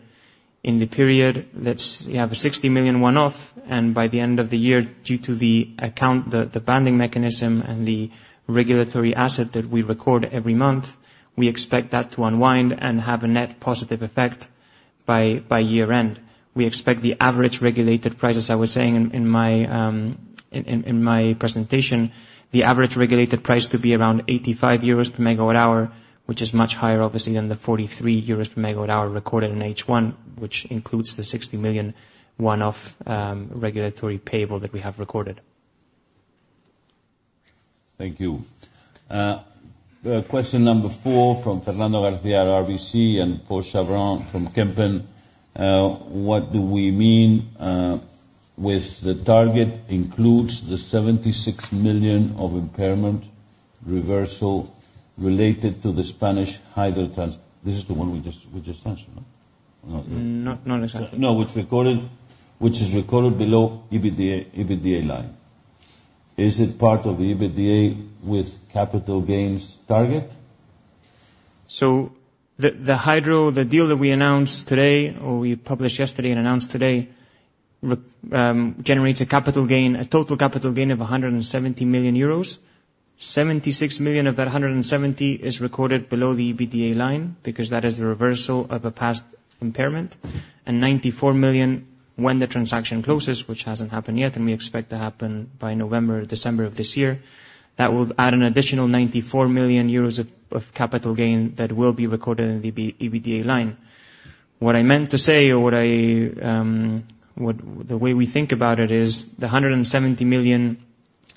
In the period, that's, you have a 60 million one-off, and by the end of the year, due to the account, the banding mechanism and the regulatory asset that we record every month, we expect that to unwind and have a net positive effect by year-end. We expect the average regulated price, as I was saying in my presentation, the average regulated price to be around 85 euros per MWh, which is much higher, obviously, than the 43 euros per MWh recorded in H1, which includes the 60 million one-off regulatory payable that we have recorded. Thank you. Question number 4 from Fernando García at RBC and Paul Chéron from Kempen. What do we mean with the target includes the 76 million of impairment reversal related to the Spanish hydro assets? This is the one we just, we just mentioned, no? Not, not necessarily. No, which is recorded below EBITDA, EBITDA line. Is it part of the EBITDA with capital gains target? So the hydro deal that we announced today, or we published yesterday and announced today, generates a capital gain, a total capital gain of 170 million euros. Seventy-six million of that 170 is recorded below the EBITDA line, because that is the reversal of a past impairment. Ninety-four million when the transaction closes, which hasn't happened yet, and we expect to happen by November, December of this year, that will add an additional 94 million euros of capital gain that will be recorded in the EBITDA line. What I meant to say, or what I... The way we think about it is, the 170 million,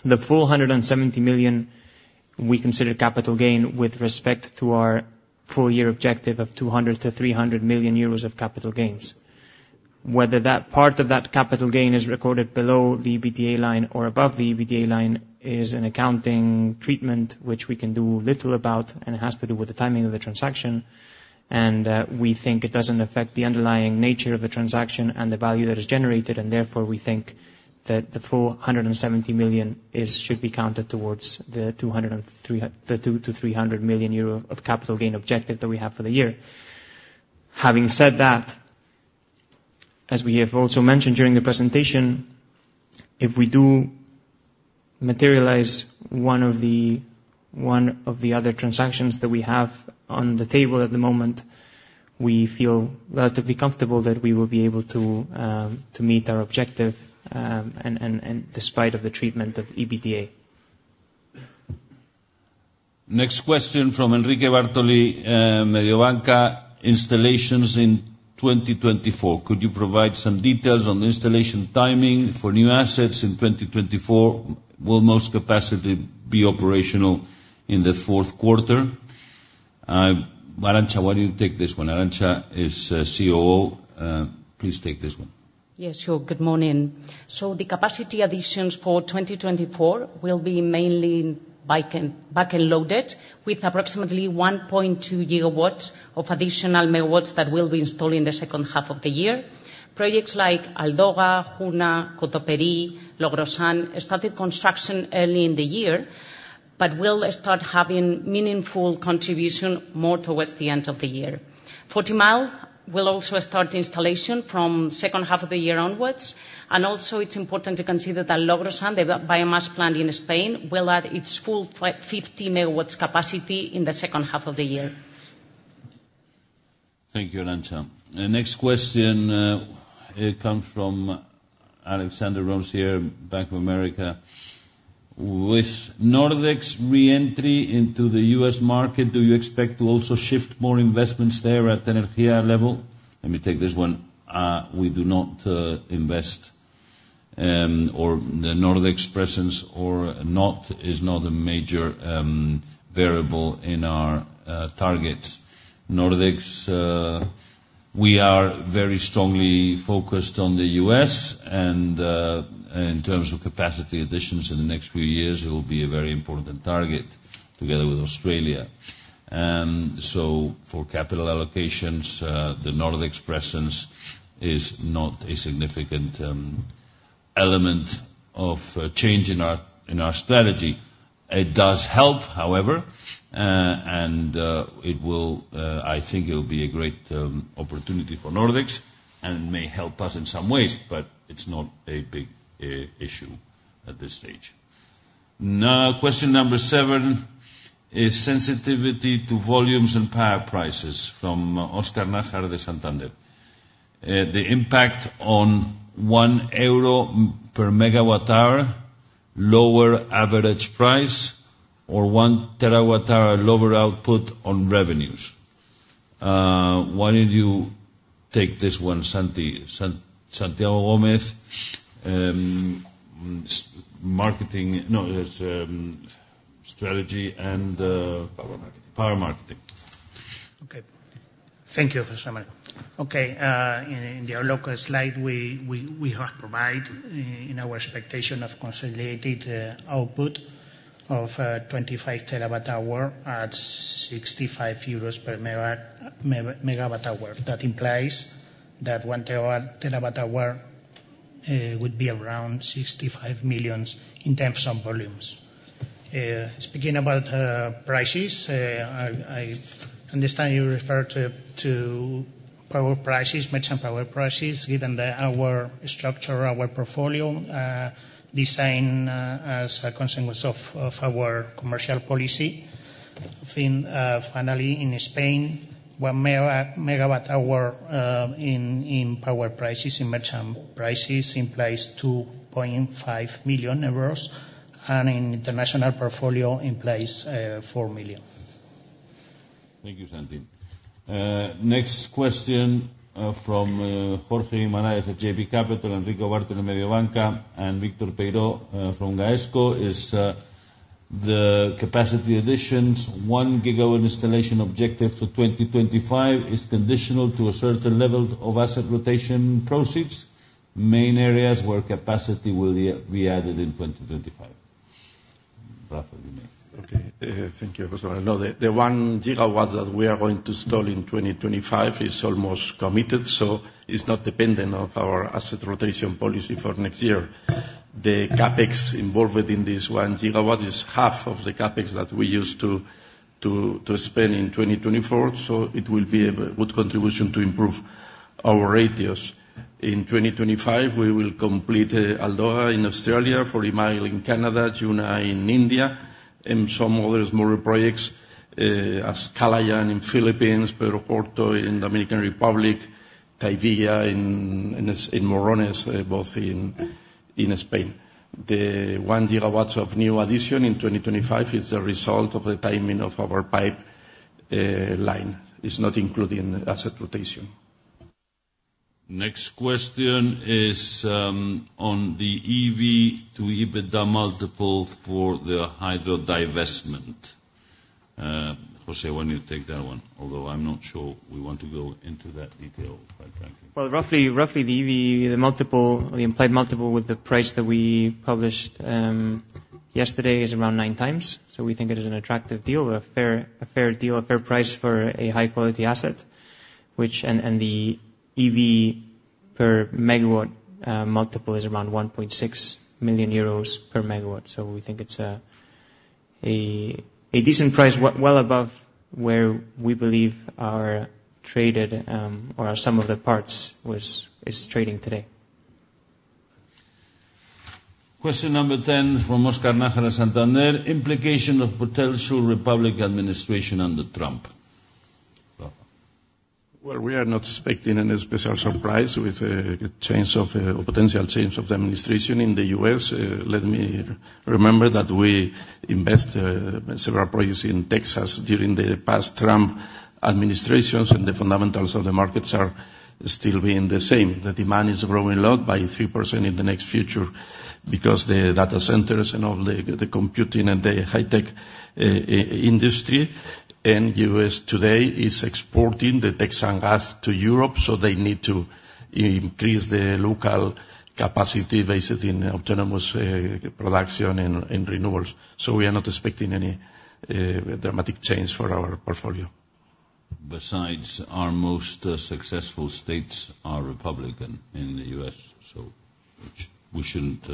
the full 170 million, we consider capital gain with respect to our full year objective of 200 million-300 million euros of capital gains. Whether that part of that capital gain is recorded below the EBITDA line or above the EBITDA line, is an accounting treatment, which we can do little about, and it has to do with the timing of the transaction. We think it doesn't affect the underlying nature of the transaction and the value that is generated, and therefore, we think that the full 170 million is, should be counted towards the 200-300 million euro of capital gain objective that we have for the year. Having said that, as we have also mentioned during the presentation, if we do materialize one of the other transactions that we have on the table at the moment, we feel relatively comfortable that we will be able to to meet our objective, and despite of the treatment of EBITDA. Next question from Enrico Bartoli, Mediobanca. Installations in 2024. Could you provide some details on the installation timing for new assets in 2024? Will most capacity be operational in the fourth quarter? Arantza, why don't you take this one? Arantza is COO. Please take this one. Yes, sure. Good morning. So the capacity additions for 2024 will be mainly back-loaded, with approximately 1.2 GW of additional megawatts that will be installed in the second half of the year. Projects like Aldoga, Juna, Cotoperí, Logrosán, started construction early in the year, but will start having meaningful contribution more towards the end of the year. Forty Mile will also start installation from second half of the year onwards, and also it's important to consider that Logrosán, the biomass plant in Spain, will add its full 50 MW capacity in the second half of the year. Thank you, Arantza. The next question, it comes from Alexandre Roncier, Bank of America: With Nordex re-entry into the U.S. market, do you expect to also shift more investments there at the energy level? Let me take this one. We do not invest, or the Nordex presence or not, is not a major variable in our targets. Nordex, we are very strongly focused on the U.S., and, in terms of capacity additions in the next few years, it will be a very important target together with Australia. So for capital allocations, the Nordex presence is not a significant element of change in our strategy. It does help, however, and it will, I think it will be a great opportunity for Nordex, and may help us in some ways, but it's not a big issue at this stage. Now, question number 7 is sensitivity to volumes and power prices, from Óscar Najar de Santander. The impact on 1 euro per MWh lower average price, or 1 TWh lower output on revenues. Why don't you take this one, Santi? Santiago Gomez, marketing... No, it's strategy and- Power marketing. Power marketing. Okay. Thank you, José Manuel. Okay, in the local slide, we have provided in our expectation of consolidated output of 25 terawatt hour at 65 euros per megawatt hour. That implies that 1 terawatt hour would be around 65 million in terms of volumes. Speaking about prices, I understand you refer to power prices, merchant power prices, given our structure, our portfolio designed as a consequence of our commercial policy. Then, finally, in Spain, 1 megawatt hour in power prices, in merchant prices, implies 2.5 million euros, and in international portfolio implies 4 million. Thank you, Santi. Next question from Jorge Guimarães from JB Capital Markets, Enrico Bartoli from Mediobanca, and Víctor Peiro from GVC Gaesco is the capacity additions, 1 GW installation objective for 2025, is conditional to a certain level of asset rotation proceeds, main areas where capacity will be added in 2025. Rafael, you may. Okay, thank you, José. No, the 1 GW that we are going to install in 2025 is almost committed, so it's not dependent on our asset rotation policy for next year. The CapEx involved within this 1 GW is half of the CapEx that we used to spend in 2024, so it will be a good contribution to improve our ratios. In 2025, we will complete Aldoga in Australia, Forty Mile in Canada, Juna in India, and some other smaller projects, as Kalayaan in Philippines, Pedro Corto in Dominican Republic, Tahivilla and Bonales, both in Spain. The 1 GW of new addition in 2025 is a result of the timing of our pipeline. It's not including asset rotation. Next question is, on the EV to EBITDA multiple for the hydro divestment. José, why don't you take that one? Although I'm not sure we want to go into that detail, but thank you. Well, roughly the EV, the multiple, the implied multiple with the price that we published yesterday is around 9x. So we think it is an attractive deal, a fair, a fair deal, a fair price for a high-quality asset, which. And the EV per megawatt multiple is around 1.6 million euros per megawatt. So we think it's a decent price, well above where we believe our traded or some of the parts is trading today. Question number 10, from Óscar Najar, Santander: implication of potential Republican administration under Trump? Well, we are not expecting any special surprise with a change of, or potential change of, the administration in the U.S. Let me remember that we invest several projects in Texas during the past Trump administrations, and the fundamentals of the markets are still being the same. The demand is growing a lot, by 3% in the next future, because the data centers and all the computing and the high tech industry, and the U.S. today is exporting the Texan gas to Europe, so they need to increase the local capacity based in autonomous production and renewables. So we are not expecting any dramatic change for our portfolio. Besides, our most successful states are Republican in the U.S., so we shouldn't,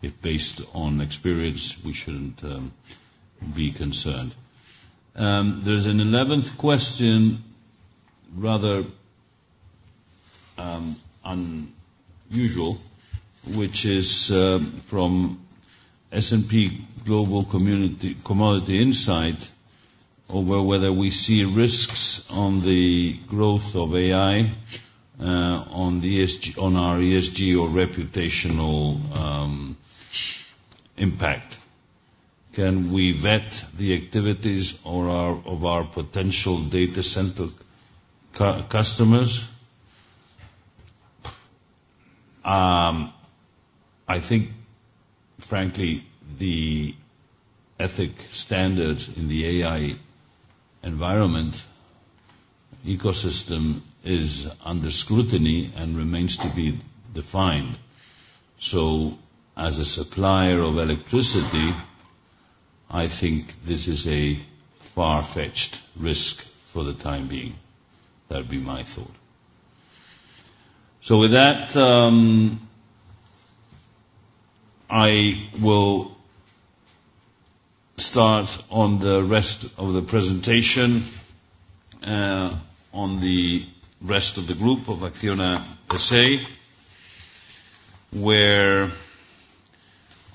if based on experience, we shouldn't be concerned. There's an eleventh question, rather unusual, which is from S&P Global Commodity Insights, over whether we see risks on the growth of AI, on the ESG, on our ESG or reputational impact. Can we vet the activities or our, of our potential data center customers? I think, frankly, the ethical standards in the AI environment ecosystem is under scrutiny and remains to be defined. So as a supplier of electricity, I think this is a far-fetched risk for the time being. That'd be my thought. So with that, I will start on the rest of the presentation, on the rest of the group of Acciona to say, where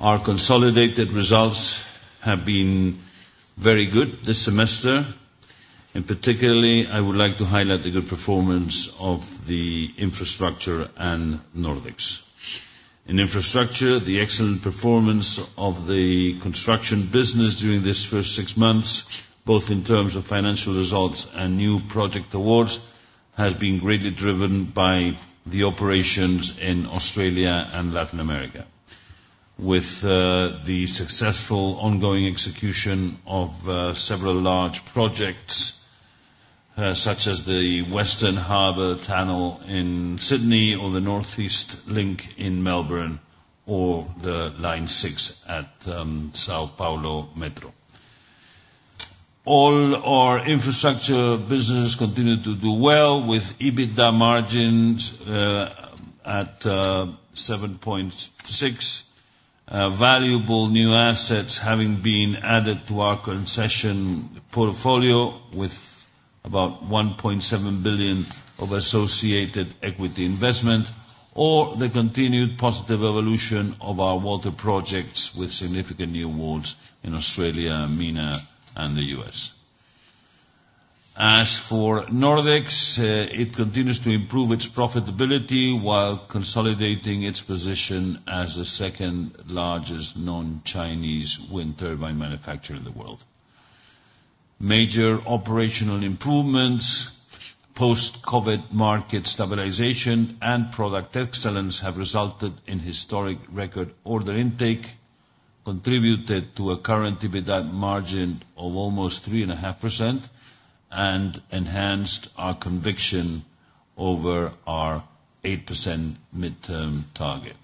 our consolidated results have been very good this semester, and particularly, I would like to highlight the good performance of the infrastructure and Nordex. In infrastructure, the excellent performance of the construction business during this first six months, both in terms of financial results and new project awards, has been greatly driven by the operations in Australia and Latin America, with, the successful ongoing execution of, several large projects, such as the Western Harbour Tunnel in Sydney or the Northeast Link in Melbourne or the Line Six at São Paulo Metro. All our infrastructure business continued to do well, with EBITDA margins at 7.6%, valuable new assets having been added to our concession portfolio with about 1.7 billion of associated equity investment, or the continued positive evolution of our water projects with significant new awards in Australia, MENA, and the U.S.. As for Nordex, it continues to improve its profitability while consolidating its position as the second-largest non-Chinese wind turbine manufacturer in the world. Major operational improvements, post-COVID market stabilization, and product excellence have resulted in historic record order intake, contributed to a current EBITDA margin of almost 3.5%, and enhanced our conviction over our 8% midterm target.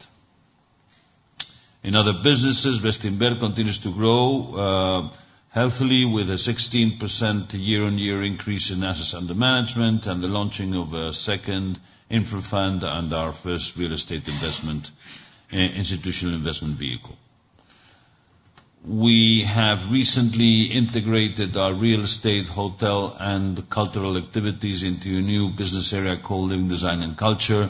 In other businesses, Bestinver continues to grow, healthily, with a 16% year-on-year increase in assets under management and the launching of a second infra fund and our first real estate investment, institutional investment vehicle. We have recently integrated our real estate, hotel, and cultural activities into a new business area called Living Design and Culture,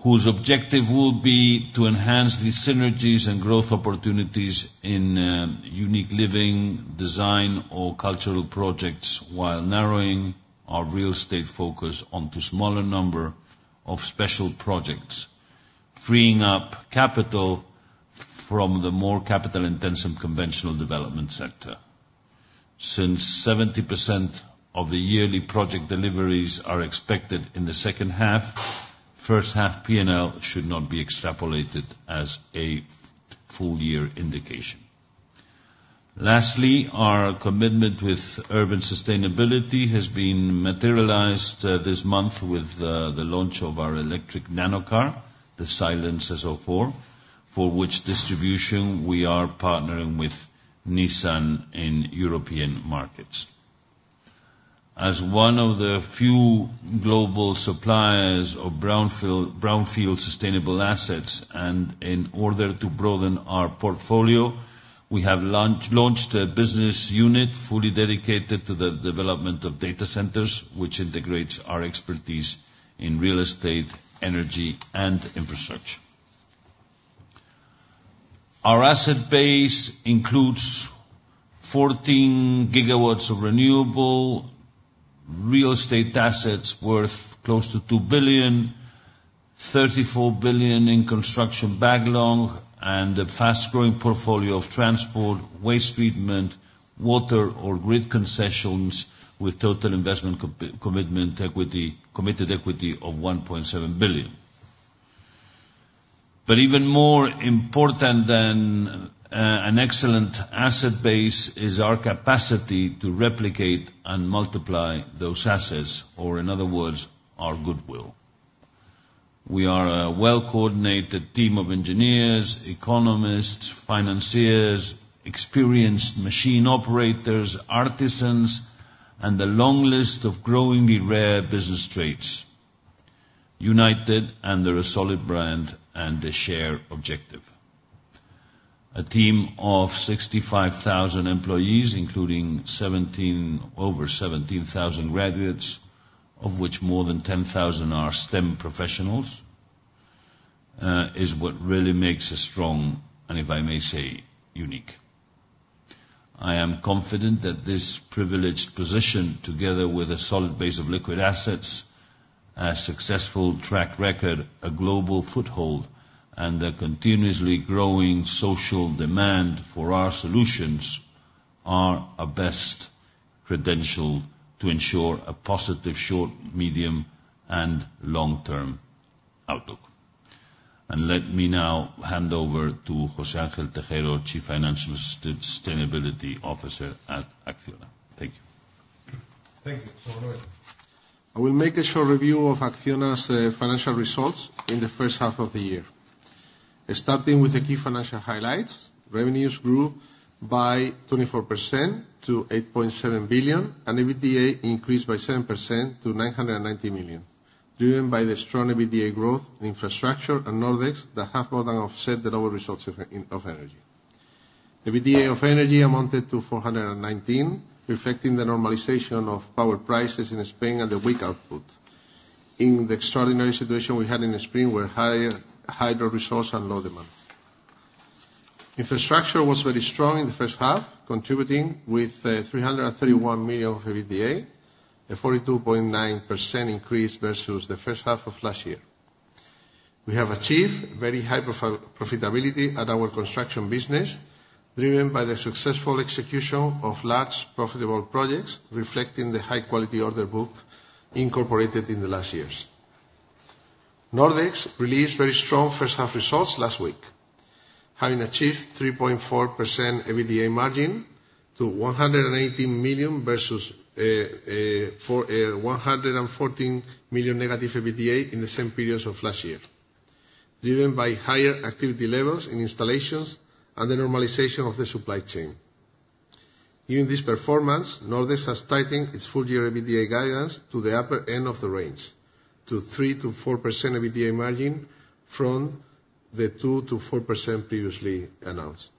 whose objective will be to enhance the synergies and growth opportunities in, unique living, design, or cultural projects, while narrowing our real estate focus onto smaller number of special projects, freeing up capital from the more capital-intensive conventional development sector. Since 70% of the yearly project deliveries are expected in the second half, first half P&L should not be extrapolated as a full year indication. Lastly, our commitment with urban sustainability has been materialized this month with the launch of our electric nano car, the Silence S04, for which distribution we are partnering with Nissan in European markets. As one of the few global suppliers of brownfield sustainable assets, and in order to broaden our portfolio, we have launched a business unit fully dedicated to the development of data centers, which integrates our expertise in real estate, energy, and infrastructure. Our asset base includes 14 GW of renewable real estate assets worth close to 2 billion, 3.4 billion in construction backlog, and a fast-growing portfolio of transport, waste treatment, water or grid concessions, with total investment committed equity of 1.7 billion. But even more important than an excellent asset base is our capacity to replicate and multiply those assets, or in other words, our goodwill. We are a well-coordinated team of engineers, economists, financiers, experienced machine operators, artisans, and a long list of growingly rare business trades, united under a solid brand and a shared objective. A team of 65,000 employees, including seventeen-- over 17,000 graduates, of which more than 10,000 are STEM professionals, is what really makes us strong, and if I may say, unique. I am confident that this privileged position, together with a solid base of liquid assets, a successful track record, a global foothold, and a continuously growing social demand for our solutions, are our best credential to ensure a positive short, medium, and long-term outlook. And let me now hand over to José Ángel Tejero, Chief Financial and Sustainability Officer at Acciona. Thank you. Thank you, José Manuel. I will make a short review of Acciona's financial results in the first half of the year. Starting with the key financial highlights, revenues grew by 24% to 8.7 billion, and EBITDA increased by 7% to 990 million, driven by the strong EBITDA growth in infrastructure and Nordex that have more than offset the lower results of energy. EBITDA of energy amounted to 419 million, reflecting the normalization of power prices in Spain and the weak output in the extraordinary situation we had in the spring, where higher hydro resource and low demand. Infrastructure was very strong in the first half, contributing with 331 million of EBITDA, a 42.9% increase versus the first half of last year. We have achieved very high profitability at our construction business, driven by the successful execution of large, profitable projects, reflecting the high quality order book incorporated in the last years. Nordex released very strong first half results last week, having achieved 3.4% EBITDA margin to 118 million versus one hundred and fourteen million negative EBITDA in the same periods of last year, driven by higher activity levels in installations and the normalization of the supply chain. Given this performance, Nordex has tightened its full year EBITDA guidance to the upper end of the range, to 3%-4% EBITDA margin from the 2%-4% previously announced.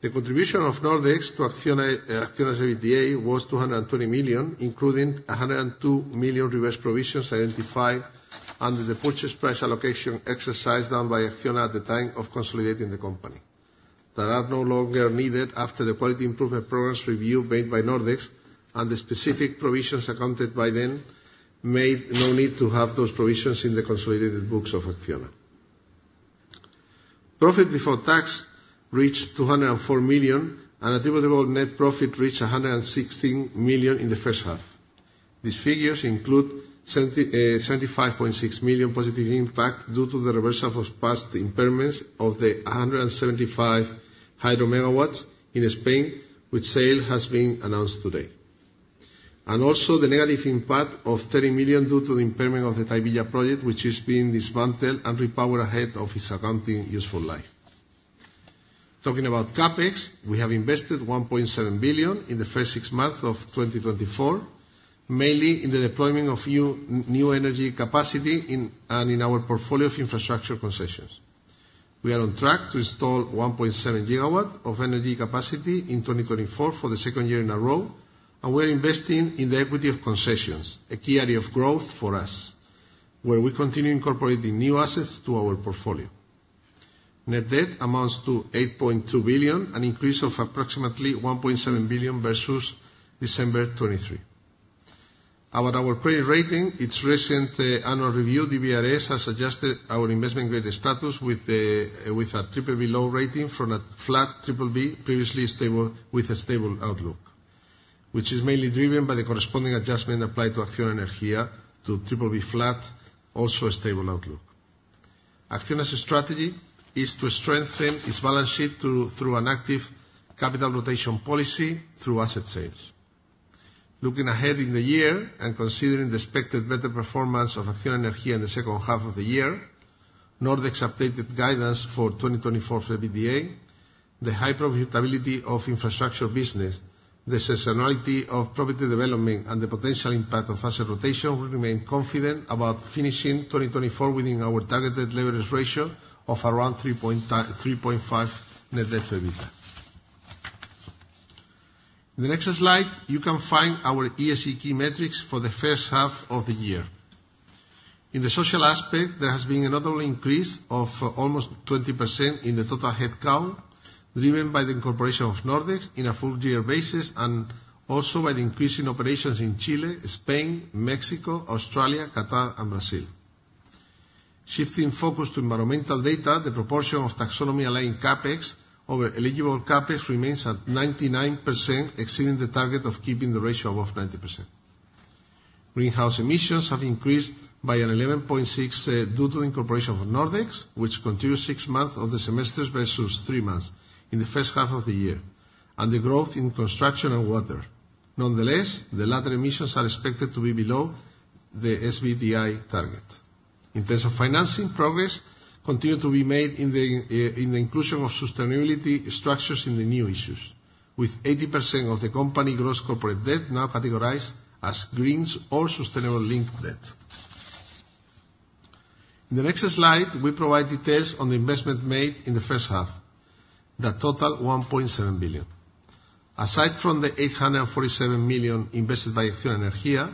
The contribution of Nordex to Acciona, Acciona's EBITDA was 230 million, including 102 million reverse provisions identified under the purchase price allocation exercise done by Acciona at the time of consolidating the company, that are no longer needed after the quality improvement programs review made by Nordex, and the specific provisions accounted by them made no need to have those provisions in the consolidated books of Acciona. Profit before tax reached 204 million, and attributable net profit reached 116 million in the first half. These figures include 75.6 million positive impact due to the reversal of past impairments of the 175 hydro MW in Spain, which sale has been announced today. Also the negative impact of 30 million due to the impairment of the Tahivilla project, which is being dismantled and repowered ahead of its accounting useful life. Talking about CapEx, we have invested 1.7 billion in the first six months of 2024, mainly in the deployment of new energy capacity, and in our portfolio of infrastructure concessions. We are on track to install 1.7 GW of energy capacity in 2024 for the second year in a row, and we are investing in the equity of concessions, a key area of growth for us, where we continue incorporating new assets to our portfolio. Net debt amounts to 8.2 billion, an increase of approximately 1.7 billion versus December 2023. About our credit rating, its recent annual review, DBRS has adjusted our investment-grade status with a BBB low rating from a flat BBB, previously stable, with a stable outlook, which is mainly driven by the corresponding adjustment applied to Acciona Energía to BBB flat, also a stable outlook. Acciona's strategy is to strengthen its balance sheet through an active capital rotation policy through asset sales. Looking ahead in the year and considering the expected better performance of Acciona Energía in the second half of the year, Nordex updated guidance for 2024 EBITDA, the high profitability of infrastructure business, the seasonality of property development, and the potential impact of asset rotation, we remain confident about finishing 2024 within our targeted leverage ratio of around 3.5 net debt to EBITDA.... In the next slide, you can find our ESG key metrics for the first half of the year. In the social aspect, there has been a notable increase of almost 20% in the total headcount, driven by the incorporation of Nordex in a full year basis, and also by the increase in operations in Chile, Spain, Mexico, Australia, Qatar, and Brazil. Shifting focus to environmental data, the proportion of taxonomy aligned CapEx over eligible CapEx remains at 99%, exceeding the target of keeping the ratio above 90%. Greenhouse emissions have increased by an 11.6, due to the incorporation of Nordex, which continued six months of the semester versus three months in the first half of the year, and the growth in construction and water. Nonetheless, the latter emissions are expected to be below the SBTi target. In terms of financing, progress continued to be made in the inclusion of sustainability structures in the new issues, with 80% of the company's gross corporate debt now categorized as green or sustainable linked debt. In the next slide, we provide details on the investment made in the first half, that total 1.7 billion. Aside from the 847 million invested by Acciona Energía,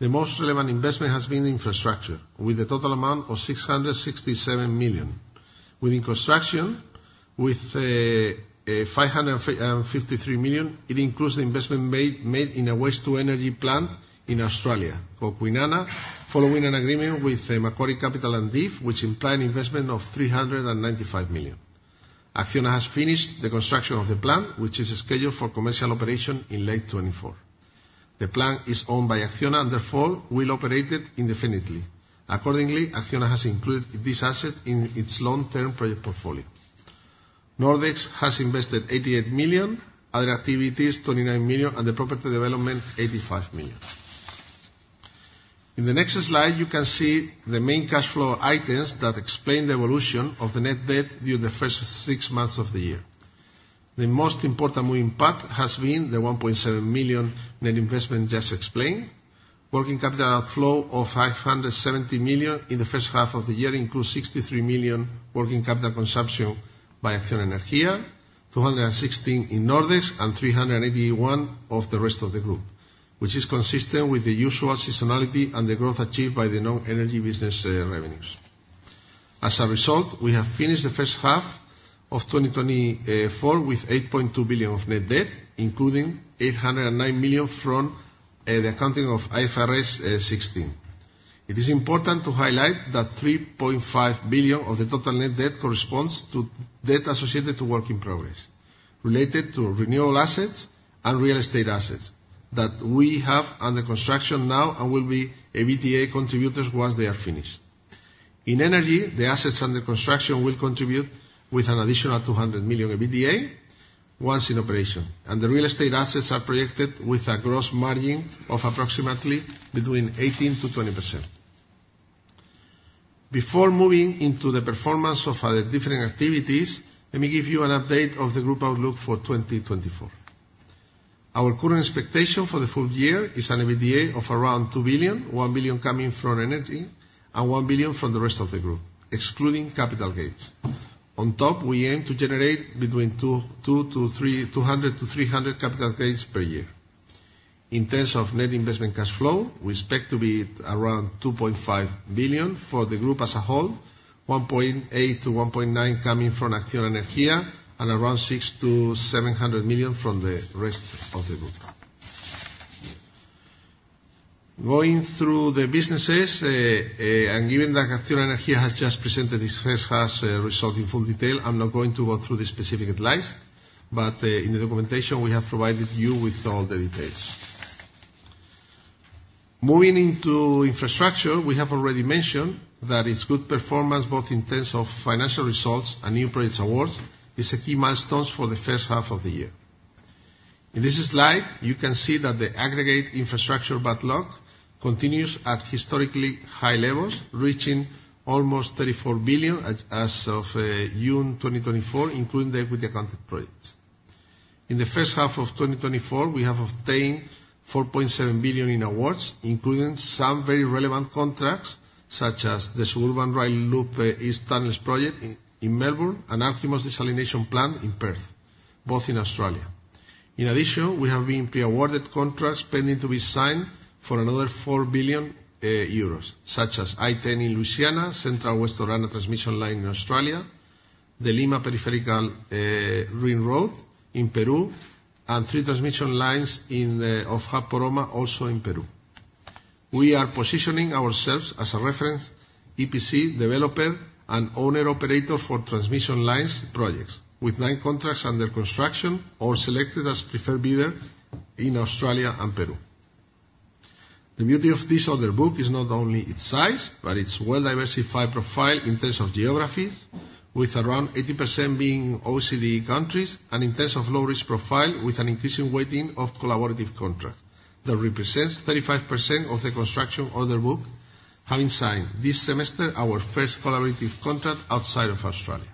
the most relevant investment has been infrastructure, with a total amount of 667 million. Within construction, with 553 million, it includes the investment made in a waste-to-energy plant in Australia, called Kwinana, following an agreement with Macquarie Capital and DIF, which implied investment of 395 million. Acciona has finished the construction of the plant, which is scheduled for commercial operation in late 2024. The plant is owned by Acciona, and therefore will operate it indefinitely. Accordingly, Acciona has included this asset in its long-term project portfolio. Nordex has invested 88 million, other activities, 29 million, and the property development, 85 million. In the next slide, you can see the main cash flow items that explain the evolution of the net debt during the first six months of the year. The most important impact has been the 1.7 million net investment just explained. Working capital outflow of 570 million in the first half of the year includes 63 million working capital consumption by Acciona Energía, 216 in Nordex, and 381 of the rest of the group, which is consistent with the usual seasonality and the growth achieved by the non-energy business, revenues. As a result, we have finished the first half of 2024 with 8.2 billion of net debt, including 809 million from the accounting of IFRS 16. It is important to highlight that 3.5 billion of the total net debt corresponds to debt associated to work in progress, related to renewable assets and real estate assets that we have under construction now and will be EBITDA contributors once they are finished. In energy, the assets under construction will contribute with an additional 200 million EBITDA once in operation, and the real estate assets are projected with a gross margin of approximately between 18%-20%. Before moving into the performance of our different activities, let me give you an update of the group outlook for 2024. Our current expectation for the full year is an EBITDA of around 2 billion, 1 billion coming from energy, and 1 billion from the rest of the group, excluding capital gains. On top, we aim to generate between 200-300 capital gains per year. In terms of net investment cash flow, we expect to be at around 2.5 billion for the group as a whole, 1.8 billion-1.9 billion coming from Acciona Energía, and around 600 million-700 million from the rest of the group. Going through the businesses, and given that Acciona Energía has just presented its first half result in full detail, I'm not going to go through the specific slides, but in the documentation, we have provided you with all the details. Moving into infrastructure, we have already mentioned that its good performance, both in terms of financial results and new projects awards, is a key milestones for the first half of the year. In this slide, you can see that the aggregate infrastructure backlog continues at historically high levels, reaching almost 34 billion as of June 2024, including the equity accounted projects. In the first half of 2024, we have obtained 4.7 billion in awards, including some very relevant contracts, such as the Suburban Rail Loop, East Tunnel Project in Melbourne, and Alkimos Desalination Plant in Perth, both in Australia. In addition, we have been pre-awarded contracts pending to be signed for another 4 billion euros, such as I-10 in Louisiana, Central West Orana Transmission Line in Australia, the Lima Peripheral Ring Road in Peru, and three transmission lines in the [area] of Poroma, also in Peru. We are positioning ourselves as a reference EPC developer and owner-operator for transmission lines projects, with 9 contracts under construction or selected as preferred bidder in Australia and Peru. The beauty of this order book is not only its size, but its well-diversified profile in terms of geographies, with around 80% being OECD countries, and in terms of low risk profile, with an increasing weighting of collaborative contracts. That represents 35% of the construction order book, having signed this semester, our first collaborative contract outside of Australia.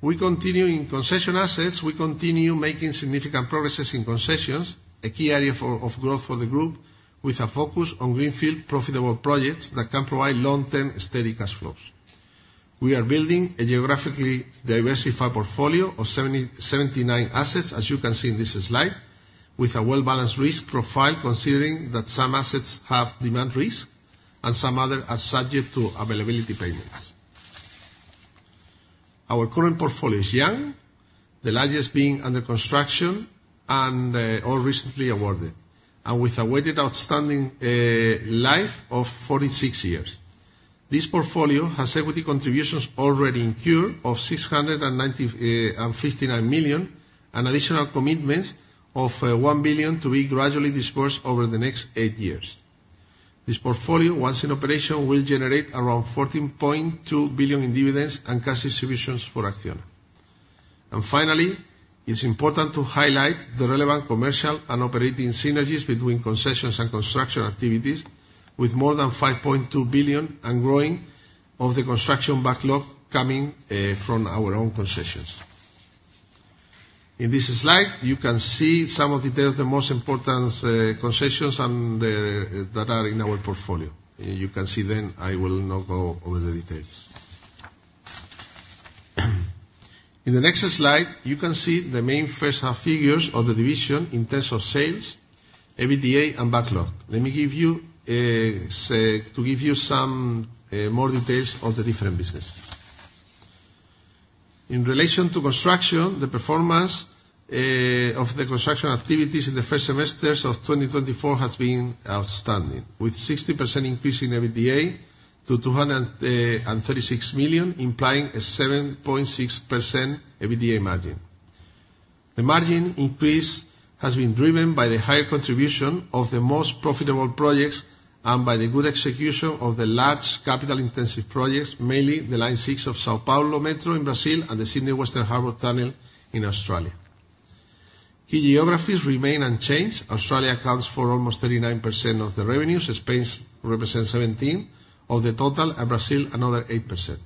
We continue in concession assets. We continue making significant progress in concessions, a key area of growth for the group, with a focus on greenfield profitable projects that can provide long-term, steady cash flows... We are building a geographically diversified portfolio of 79 assets, as you can see in this slide, with a well-balanced risk profile, considering that some assets have demand risk and some other are subject to availability payments. Our current portfolio is young, the largest being under construction and or recently awarded, and with a weighted outstanding life of 46 years. This portfolio has equity contributions already incurred of 659 million, and additional commitments of 1 billion to be gradually disbursed over the next 8 years. This portfolio, once in operation, will generate around 14.2 billion in dividends and cash distributions for Acciona. Finally, it's important to highlight the relevant commercial and operating synergies between concessions and construction activities, with more than 5.2 billion and growing, of the construction backlog coming from our own concessions. In this slide, you can see some of details, the most important, concessions and the, that are in our portfolio. You can see them, I will not go over the details. In the next slide, you can see the main first half figures of the division in terms of sales, EBITDA, and backlog. Let me give you, say, to give you some, more details of the different business. In relation to construction, the performance, of the construction activities in the first semesters of 2024 has been outstanding, with 60% increase in EBITDA to 236 million, implying a 7.6% EBITDA margin. The margin increase has been driven by the higher contribution of the most profitable projects and by the good execution of the large capital-intensive projects, mainly the Line Six of the São Paulo Metro in Brazil and the Sydney Western Harbour Tunnel in Australia. Key geographies remain unchanged. Australia accounts for almost 39% of the revenues, Spain represents 17% of the total, and Brazil, another 8%.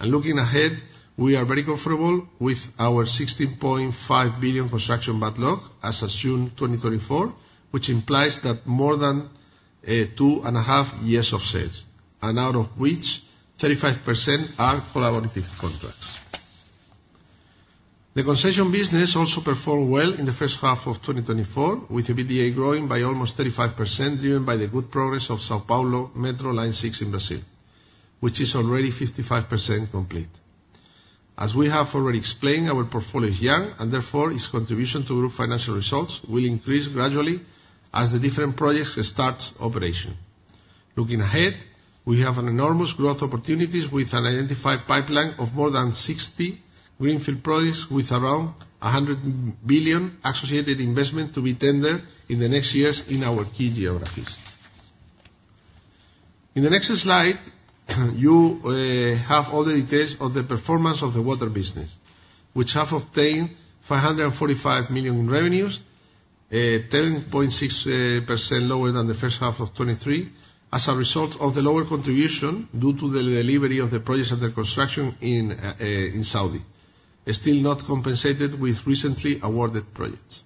Looking ahead, we are very comfortable with our 16.5 billion construction backlog as of June 2024, which implies that more than 2.5 years of sales, and out of which 35% are collaborative contracts. The concession business also performed well in the first half of 2024, with EBITDA growing by almost 35%, driven by the good progress of São Paulo Metro Line Six in Brazil, which is already 55% complete. As we have already explained, our portfolio is young, and therefore, its contribution to group financial results will increase gradually as the different projects starts operation. Looking ahead, we have an enormous growth opportunities with an identified pipeline of more than 60 greenfield projects, with around 100 billion associated investment to be tendered in the next years in our key geographies. In the next slide, you have all the details of the performance of the water business, which have obtained 545 million in revenues, 10.6% lower than the first half of 2023, as a result of the lower contribution due to the delivery of the projects under construction in Saudi. Still not compensated with recently awarded projects.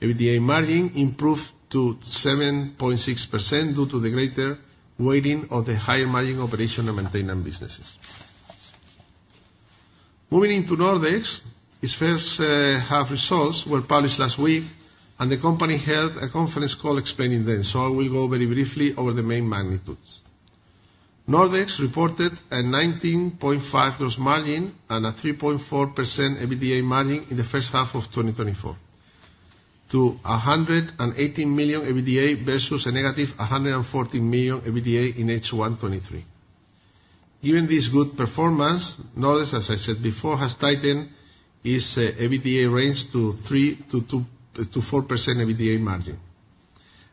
EBITDA margin improved to 7.6% due to the greater weighting of the higher margin operation and maintenance businesses. Moving into Nordex, its first half results were published last week, and the company held a conference call explaining them, so I will go very briefly over the main magnitudes. Nordex reported a 19.5% gross margin and a 3.4% EBITDA margin in the first half of 2024, to 118 million EBITDA versus -114 million EBITDA in H1 2023. Given this good performance, Nordex, as I said before, has tightened its EBITDA range to 3.2%-4% EBITDA margin,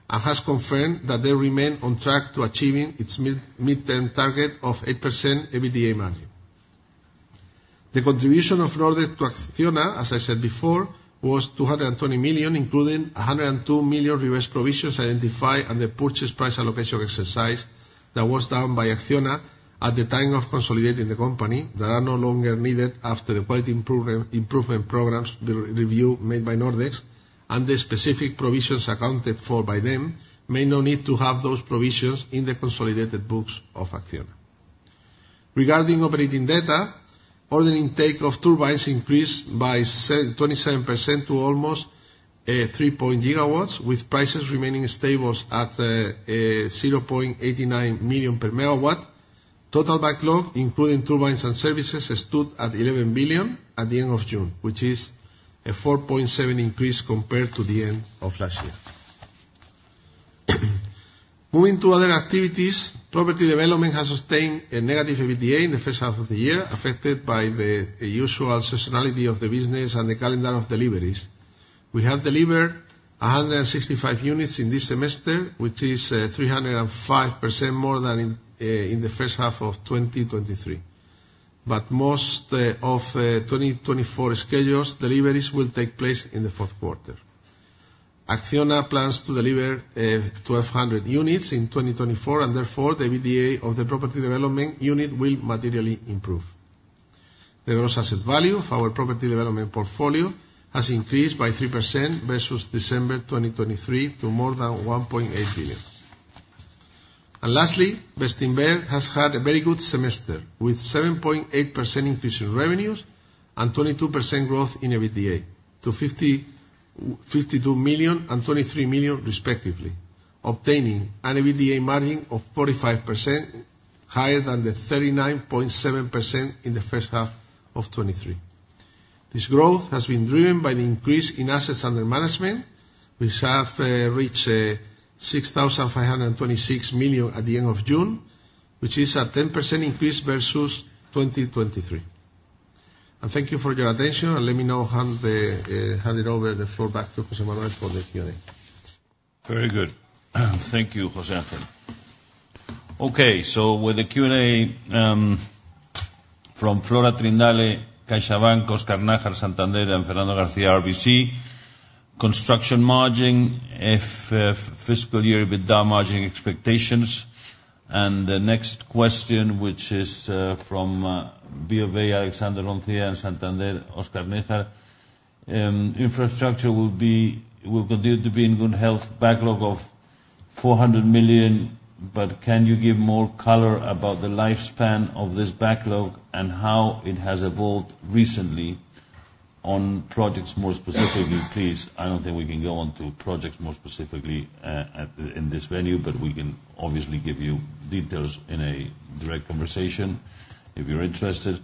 and has confirmed that they remain on track to achieving its mid-term target of 8% EBITDA margin. The contribution of Nordex to Acciona, as I said before, was 220 million, including 102 million reverse provisions identified and the purchase price allocation exercise that was done by Acciona at the time of consolidating the company, that are no longer needed after the quality improvement program, improvement programs re-review made by Nordex, and the specific provisions accounted for by them, may no need to have those provisions in the consolidated books of Acciona. Regarding operating data, order intake of turbines increased by 27% to almost 3 GW, with prices remaining stable at 0.89 million per MW. Total backlog, including turbines and services, stood at 11 billion at the end of June, which is a 4.7% increase compared to the end of last year. Moving to other activities, property development has sustained a negative EBITDA in the first half of the year, affected by the usual seasonality of the business and the calendar of deliveries. We have delivered 165 units in this semester, which is 305% more than in the first half of 2023. But most of 2024 schedules, deliveries will take place in the fourth quarter. Acciona plans to deliver 1,200 units in 2024, and therefore, the EBITDA of the property development unit will materially improve. The gross asset value of our property development portfolio has increased by 3% versus December 2023 to more than 1.8 billion. And lastly, Bestinver has had a very good semester, with 7.8% increase in revenues and 22% growth in EBITDA, to 52 million and 23 million respectively, obtaining an EBITDA margin of 45%, higher than the 39.7% in the first half of 2023. This growth has been driven by the increase in assets under management, which have reached 6,526 million at the end of June, which is a 10% increase versus 2023. And thank you for your attention, and let me now hand the floor back to José Manuel for the Q&A. Very good. Thank you, José Ángel. Okay, so with the Q&A, from Flora Trindade, CaixaBank, Óscar Najar, Santander, and Fernando García, RBC. Construction margin, if, fiscal year EBITDA margin expectations. And the next question, which is, from, BOA, Alexandre Roncier, and Santander, Óscar Najar. Infrastructure will be, will continue to be in good health, backlog of 400 million, but can you give more color about the lifespan of this backlog and how it has evolved recently on projects more specifically, please? I don't think we can go on to projects more specifically, at this venue, but we can obviously give you details in a direct conversation if you're interested.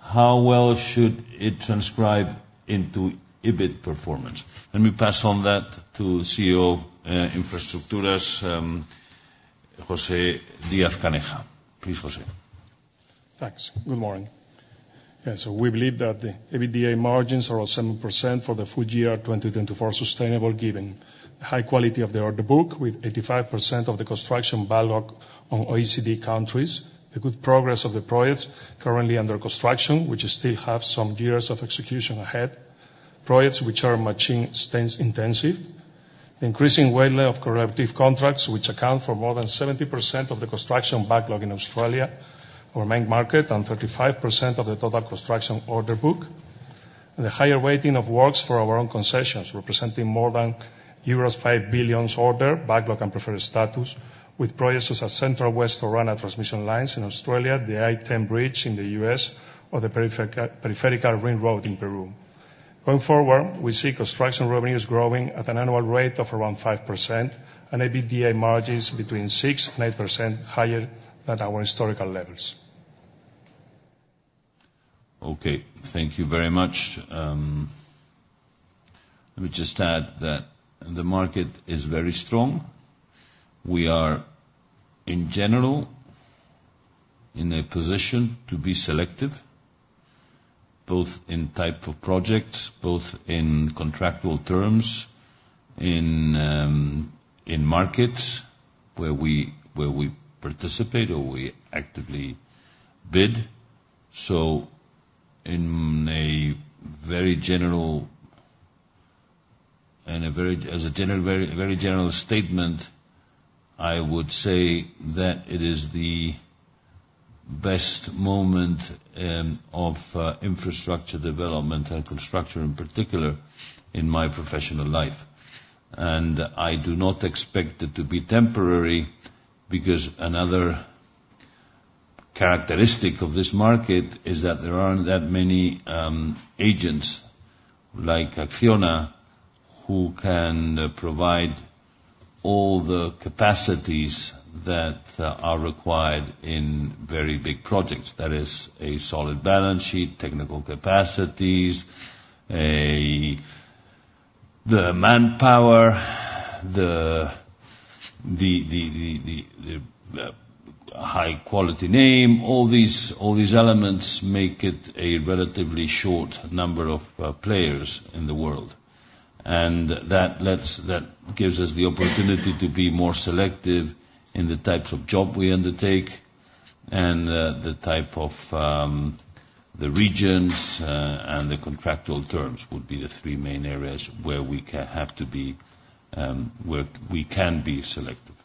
How well should it transcribe into EBIT performance? Let me pass on that to CEO Infrastructures, José Díaz-Caneja. Please, José. Thanks. Good morning. Yeah, so we believe that the EBITDA margins are around 7% for the full year 2024, sustainable, given high quality of the order book, with 85% of the construction backlog on OECD countries. The good progress of the projects currently under construction, which still have some years of execution ahead. Projects which are maintenance intensive. Increasing weight of collaborative contracts, which account for more than 70% of the construction backlog in Australia, our main market, and 35% of the total construction order book. The higher weighting of works for our own concessions, representing more than euros 5 billion order backlog, and preferred status, with projects such as Central West Orana Transmission Line in Australia, the I-10 Bridge in the U.S., or the Peripheral Ring Road in Peru. Going forward, we see construction revenues growing at an annual rate of around 5% and EBITDA margins between 6% and 8% higher than our historical levels. Okay, thank you very much. Let me just add that the market is very strong. We are, in general, in a position to be selective, both in type of projects, both in contractual terms, in markets where we participate, or we actively bid. So in a very general statement, I would say that it is the best moment of infrastructure development and construction, in particular, in my professional life. And I do not expect it to be temporary, because another characteristic of this market is that there aren't that many agents, like Acciona, who can provide all the capacities that are required in very big projects. That is a solid balance sheet, technical capacities, the manpower, the high quality name, all these elements make it a relatively short number of players in the world. And that lets, that gives us the opportunity to be more selective in the types of job we undertake and the type of the regions and the contractual terms would be the three main areas where we can be selective.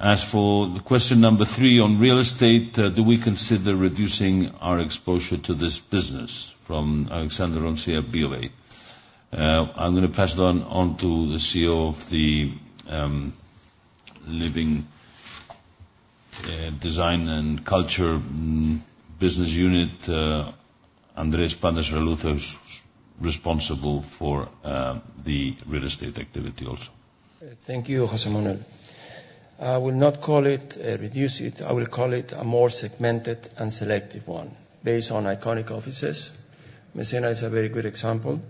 As for the question number three on real estate, do we consider reducing our exposure to this business? From Alexandre Roncier at Bank of America. I'm gonna pass it on to the CEO of the Living Design and Culture business unit, Andrés Pan de Soraluce, who's responsible for the real estate activity also. Thank you, José Manuel. I will not call it reduce it. I will call it a more segmented and selective one, based on iconic offices. Mesena is a very good example.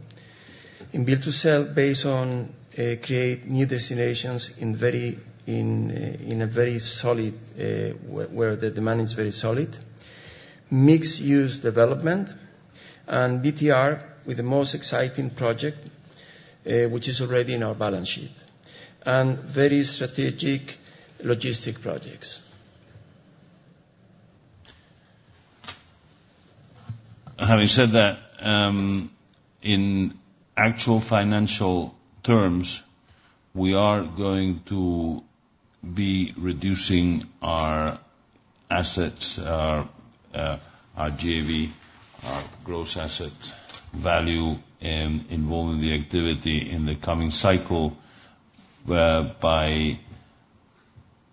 In build to sell, based on create new destinations in a very solid where the demand is very solid. Mixed-use development and BTR with the most exciting project, which is already in our balance sheet, and very strategic logistic projects. Having said that, in actual financial terms. We are going to be reducing our assets, our JV, our gross asset value, and involving the activity in the coming cycle, whereby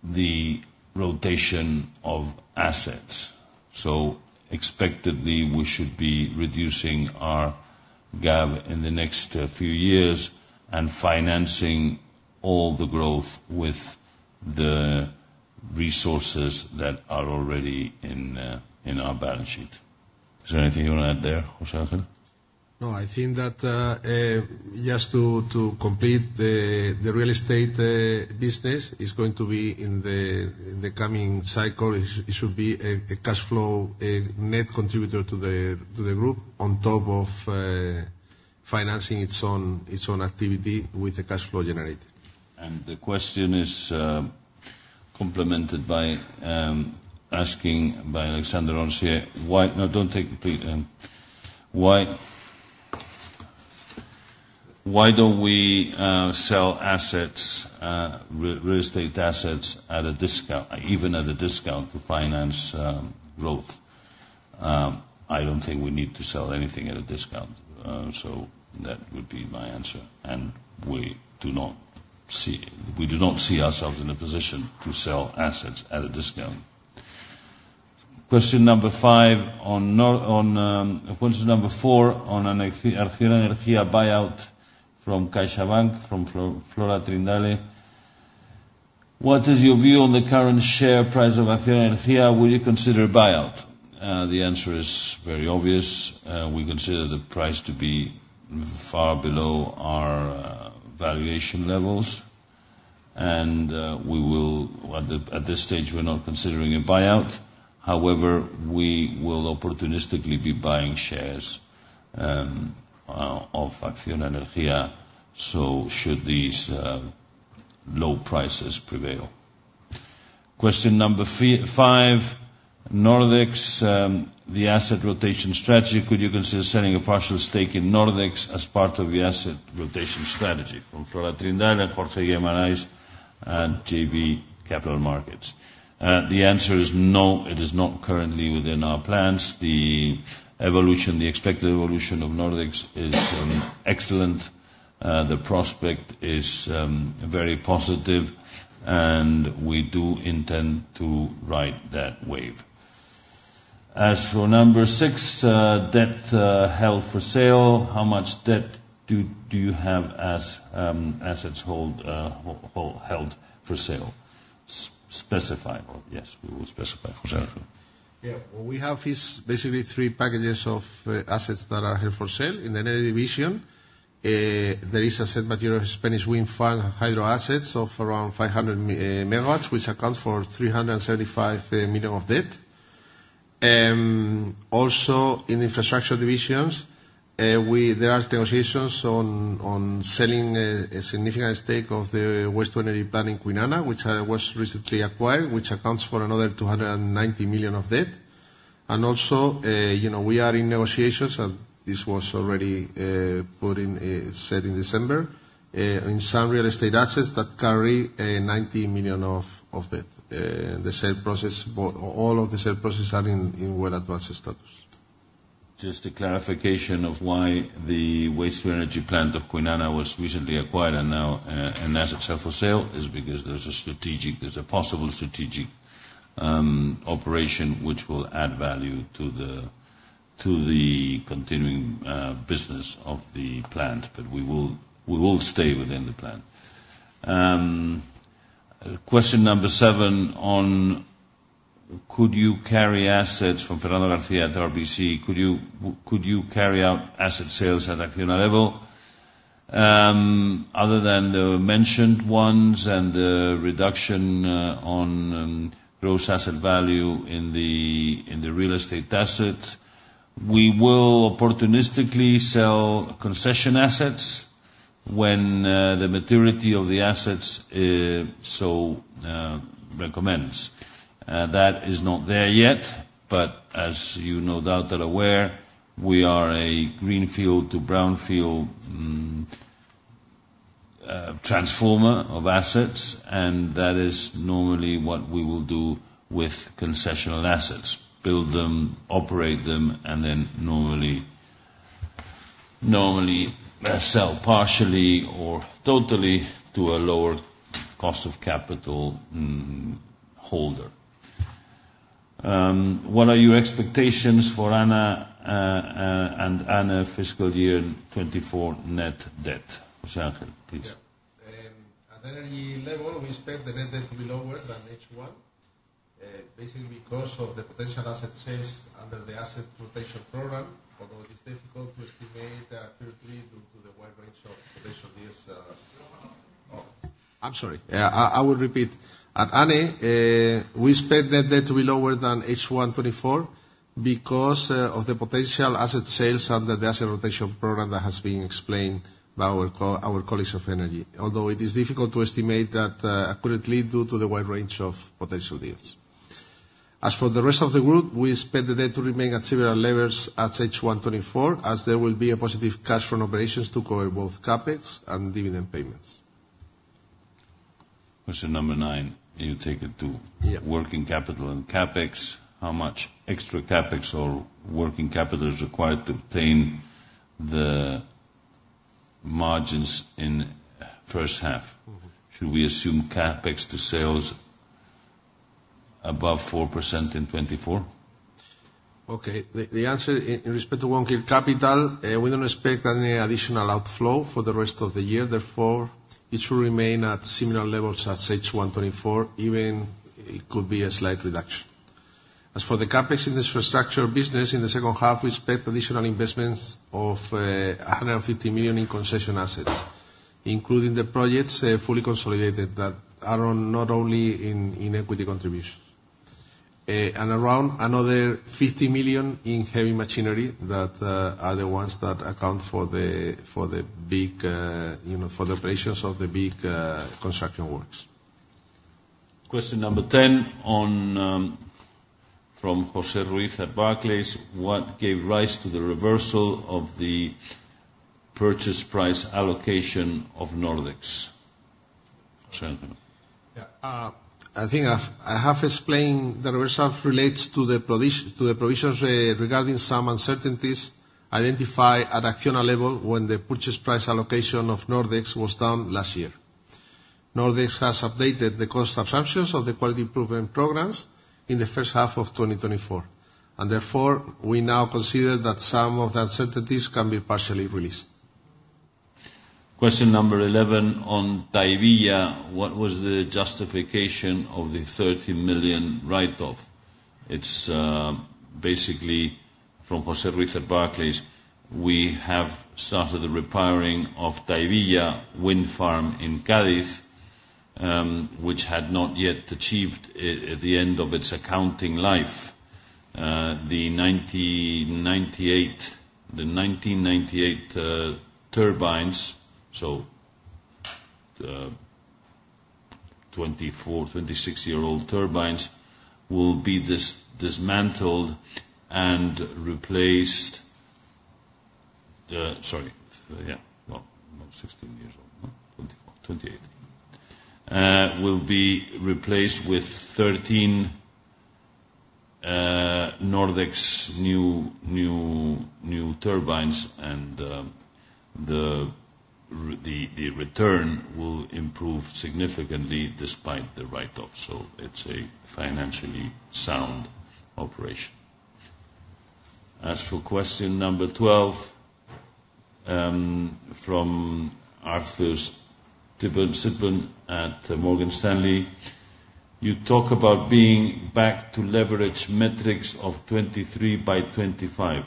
the rotation of assets. So expectedly, we should be reducing our GAV in the next few years and financing all the growth with the resources that are already in our balance sheet. Is there anything you want to add there, José Ángel? No, I think that just to complete the real estate business is going to be in the coming cycle. It should be a cash flow net contributor to the group, on top of financing its own activity with the cash flow generated. The question is, complemented by asking by Alexandre Roncier: Why-- No, don't take the pen. Why, why don't we sell assets, real estate assets at a discount, even at a discount to finance growth? I don't think we need to sell anything at a discount. So that would be my answer, and we do not see-- we do not see ourselves in a position to sell assets at a discount. Question number five on, question number four on an Acciona Energía buyout from CaixaBank, from Flora Trindade: What is your view on the current share price of Acciona Energía? Will you consider a buyout? The answer is very obvious. We consider the price to be far below our valuation levels, and we will... At the, at this stage, we're not considering a buyout. However, we will opportunistically be buying shares of Acciona Energía, so should these low prices prevail. Question number five, Nordex, the asset rotation strategy. Could you consider selling a partial stake in Nordex as part of the asset rotation strategy? From Flora Trindade, Jorge Guimarães, and JB Capital Markets. The answer is no, it is not currently within our plans. The evolution, the expected evolution of Nordex is excellent. The prospect is very positive, and we do intend to ride that wave. As for number six, debt held for sale, how much debt do you have as assets held for sale? Specify or... Yes, we will specify. José Ángel. Yeah. What we have is basically three packages of assets that are held for sale. In the energy division, there is a set of mature Spanish wind farm hydro assets of around 500 MW, which accounts for 335 million of debt. Also, in infrastructure division, we there are negotiations on selling a significant stake of the waste-to-energy plant in Kwinana, which was recently acquired, which accounts for another 290 million of debt. And also, you know, we are in negotiations, and this was already put in said in December in some real estate assets that carry a 90 million of debt. The sale process, but all of the sale processes are in well advanced status. Just a clarification of why the waste-to-energy plant of Kwinana was recently acquired and now an asset set for sale is because there's a strategic—there's a possible strategic operation which will add value to the continuing business of the plant, but we will stay within the plant. Question number seven on could you carry assets, from Fernando García at RBC: Could you carry out asset sales at Acciona level? Other than the mentioned ones and the reduction on gross asset value in the real estate assets, we will opportunistically sell concession assets when the maturity of the assets so recommends. That is not there yet, but as you no doubt are aware, we are a greenfield to brownfield transformer of assets, and that is normally what we will do with concessional assets: build them, operate them, and then normally, normally, sell partially or totally to a lower cost of capital holder. What are your expectations for Acciona, and Acciona fiscal year 2024 net debt? José Ángel, please. Yeah. At energy level, we expect the net debt to be lower than H1, basically because of the potential asset sales under the asset rotation program, although it is difficult to estimate accurately due to the wide range of potential deals. Oh, I'm sorry. I will repeat. At Acciona, we expect net debt to be lower than H1 2024 because, of the potential asset sales under the asset rotation program that has been explained by our our colleagues of energy. Although it is difficult to estimate that, accurately due to the wide range of potential deals. As for the rest of the group, we expect the debt to remain at similar levels as H1 2024, as there will be a positive cash from operations to cover both CapEx and dividend payments. Question number nine, you take it too. Yeah. Working capital and CapEx, how much extra CapEx or working capital is required to obtain the margins in first half? Mm-hmm. Should we assume CapEx to sales above 4% in 2024? Okay. The answer in respect to working capital, we don't expect any additional outflow for the rest of the year, therefore, it should remain at similar levels as H1 2024, even it could be a slight reduction. As for the CapEx infrastructure business, in the second half, we expect additional investments of 150 million in concession assets, including the projects fully consolidated that are not only in equity contributions. And around another 50 million in heavy machinery that are the ones that account for the big, you know, for the operations of the big construction works. Question number 10, on, from José Ruiz at Barclays, what gave rise to the reversal of the purchase price allocation of Nordex? Santiago. Yeah. I think I've, I have explained the reversal relates to the provisions regarding some uncertainties identified at Acciona level when the purchase price allocation of Nordex was done last year. Nordex has updated the cost assumptions of the quality improvement programs in the first half of 2024, and therefore, we now consider that some of the uncertainties can be partially released. Question number 11, on Tahivilla. What was the justification of the 30 million write-off? It's basically from José Ruiz at Barclays. We have started the repowering of Tahivilla Wind Farm in Cádiz, which had not yet achieved the end of its accounting life. The 1998, the 1998 turbines, so 24-, 26-year-old turbines, will be dismantled and replaced. Sorry. Yeah, well, not sixteen years old, no? 24, 28. Will be replaced with 13 Nordex new turbines, and the return will improve significantly despite the write-off, so it's a financially sound operation. As for question number 12, from Arthur Sitbon at Morgan Stanley: You talk about being back to leverage metrics of 2023 by 2025.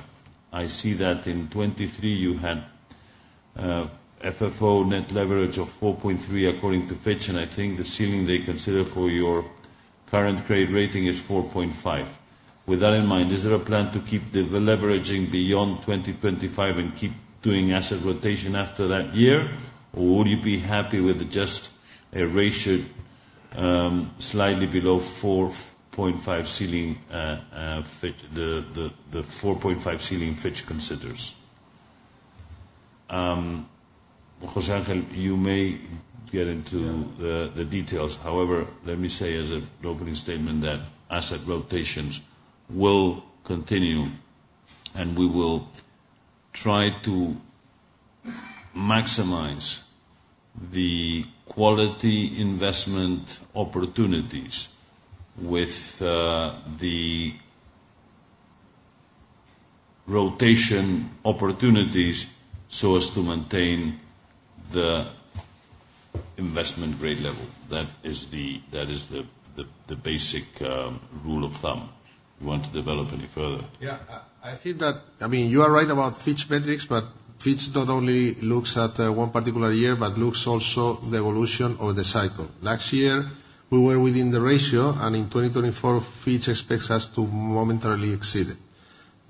I see that in 2023 you had FFO net leverage of 4.3, according to Fitch, and I think the ceiling they consider for your current grade rating is 4.5. With that in mind, is there a plan to keep the leveraging beyond 2025 and keep doing asset rotation after that year? Or would you be happy with just a ratio slightly below the 4.5 ceiling Fitch considers? José Ángel, you may get into- Yeah... the details. However, let me say as an opening statement, that asset rotations will continue, and we will try to maximize the quality investment opportunities with the rotation opportunities, so as to maintain the investment grade level. That is the basic rule of thumb. You want to develop any further? Yeah. I think that... I mean, you are right about Fitch metrics, but Fitch not only looks at one particular year, but looks also the evolution or the cycle. Last year, we were within the ratio, and in 2024, Fitch expects us to momentarily exceed it.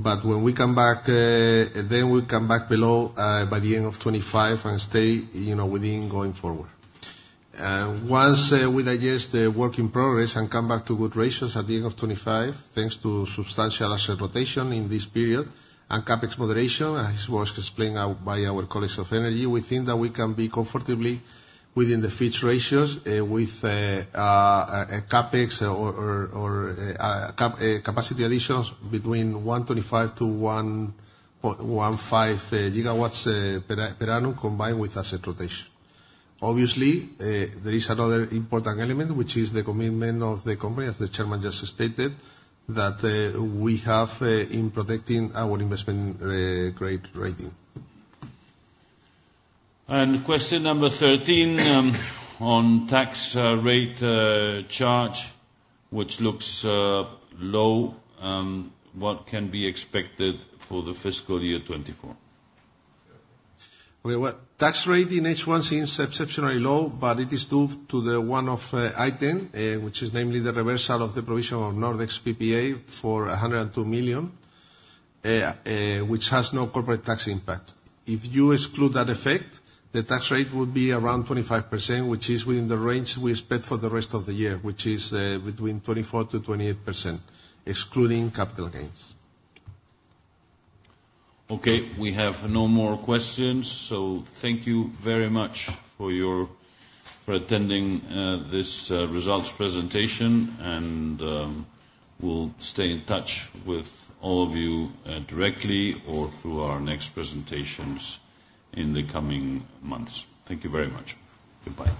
But when we come back, then we come back below by the end of 2025 and stay, you know, within going forward. Once we digest the work in progress and come back to good ratios at the end of 2025, thanks to substantial asset rotation in this period and CapEx moderation, as was explained out by our colleagues of energy, we think that we can be comfortably within the Fitch ratios, with a CapEx or capacity additions between 1.25 GW-1.55 GW per annum, combined with asset rotation. Obviously, there is another important element, which is the commitment of the company, as the chairman just stated, that we have in protecting our investment grade rating. Question number 13, on tax rate charge, which looks low, what can be expected for the fiscal year 2024? Well, the tax rate in H1 seems exceptionally low, but it is due to the one-off item, which is namely the reversal of the provision of Nordex PPA for 102 million, which has no corporate tax impact. If you exclude that effect, the tax rate would be around 25%, which is within the range we expect for the rest of the year, which is between 24%-28%, excluding capital gains. Okay, we have no more questions, so thank you very much for your attending this results presentation. We'll stay in touch with all of you directly or through our next presentations in the coming months. Thank you very much. Goodbye.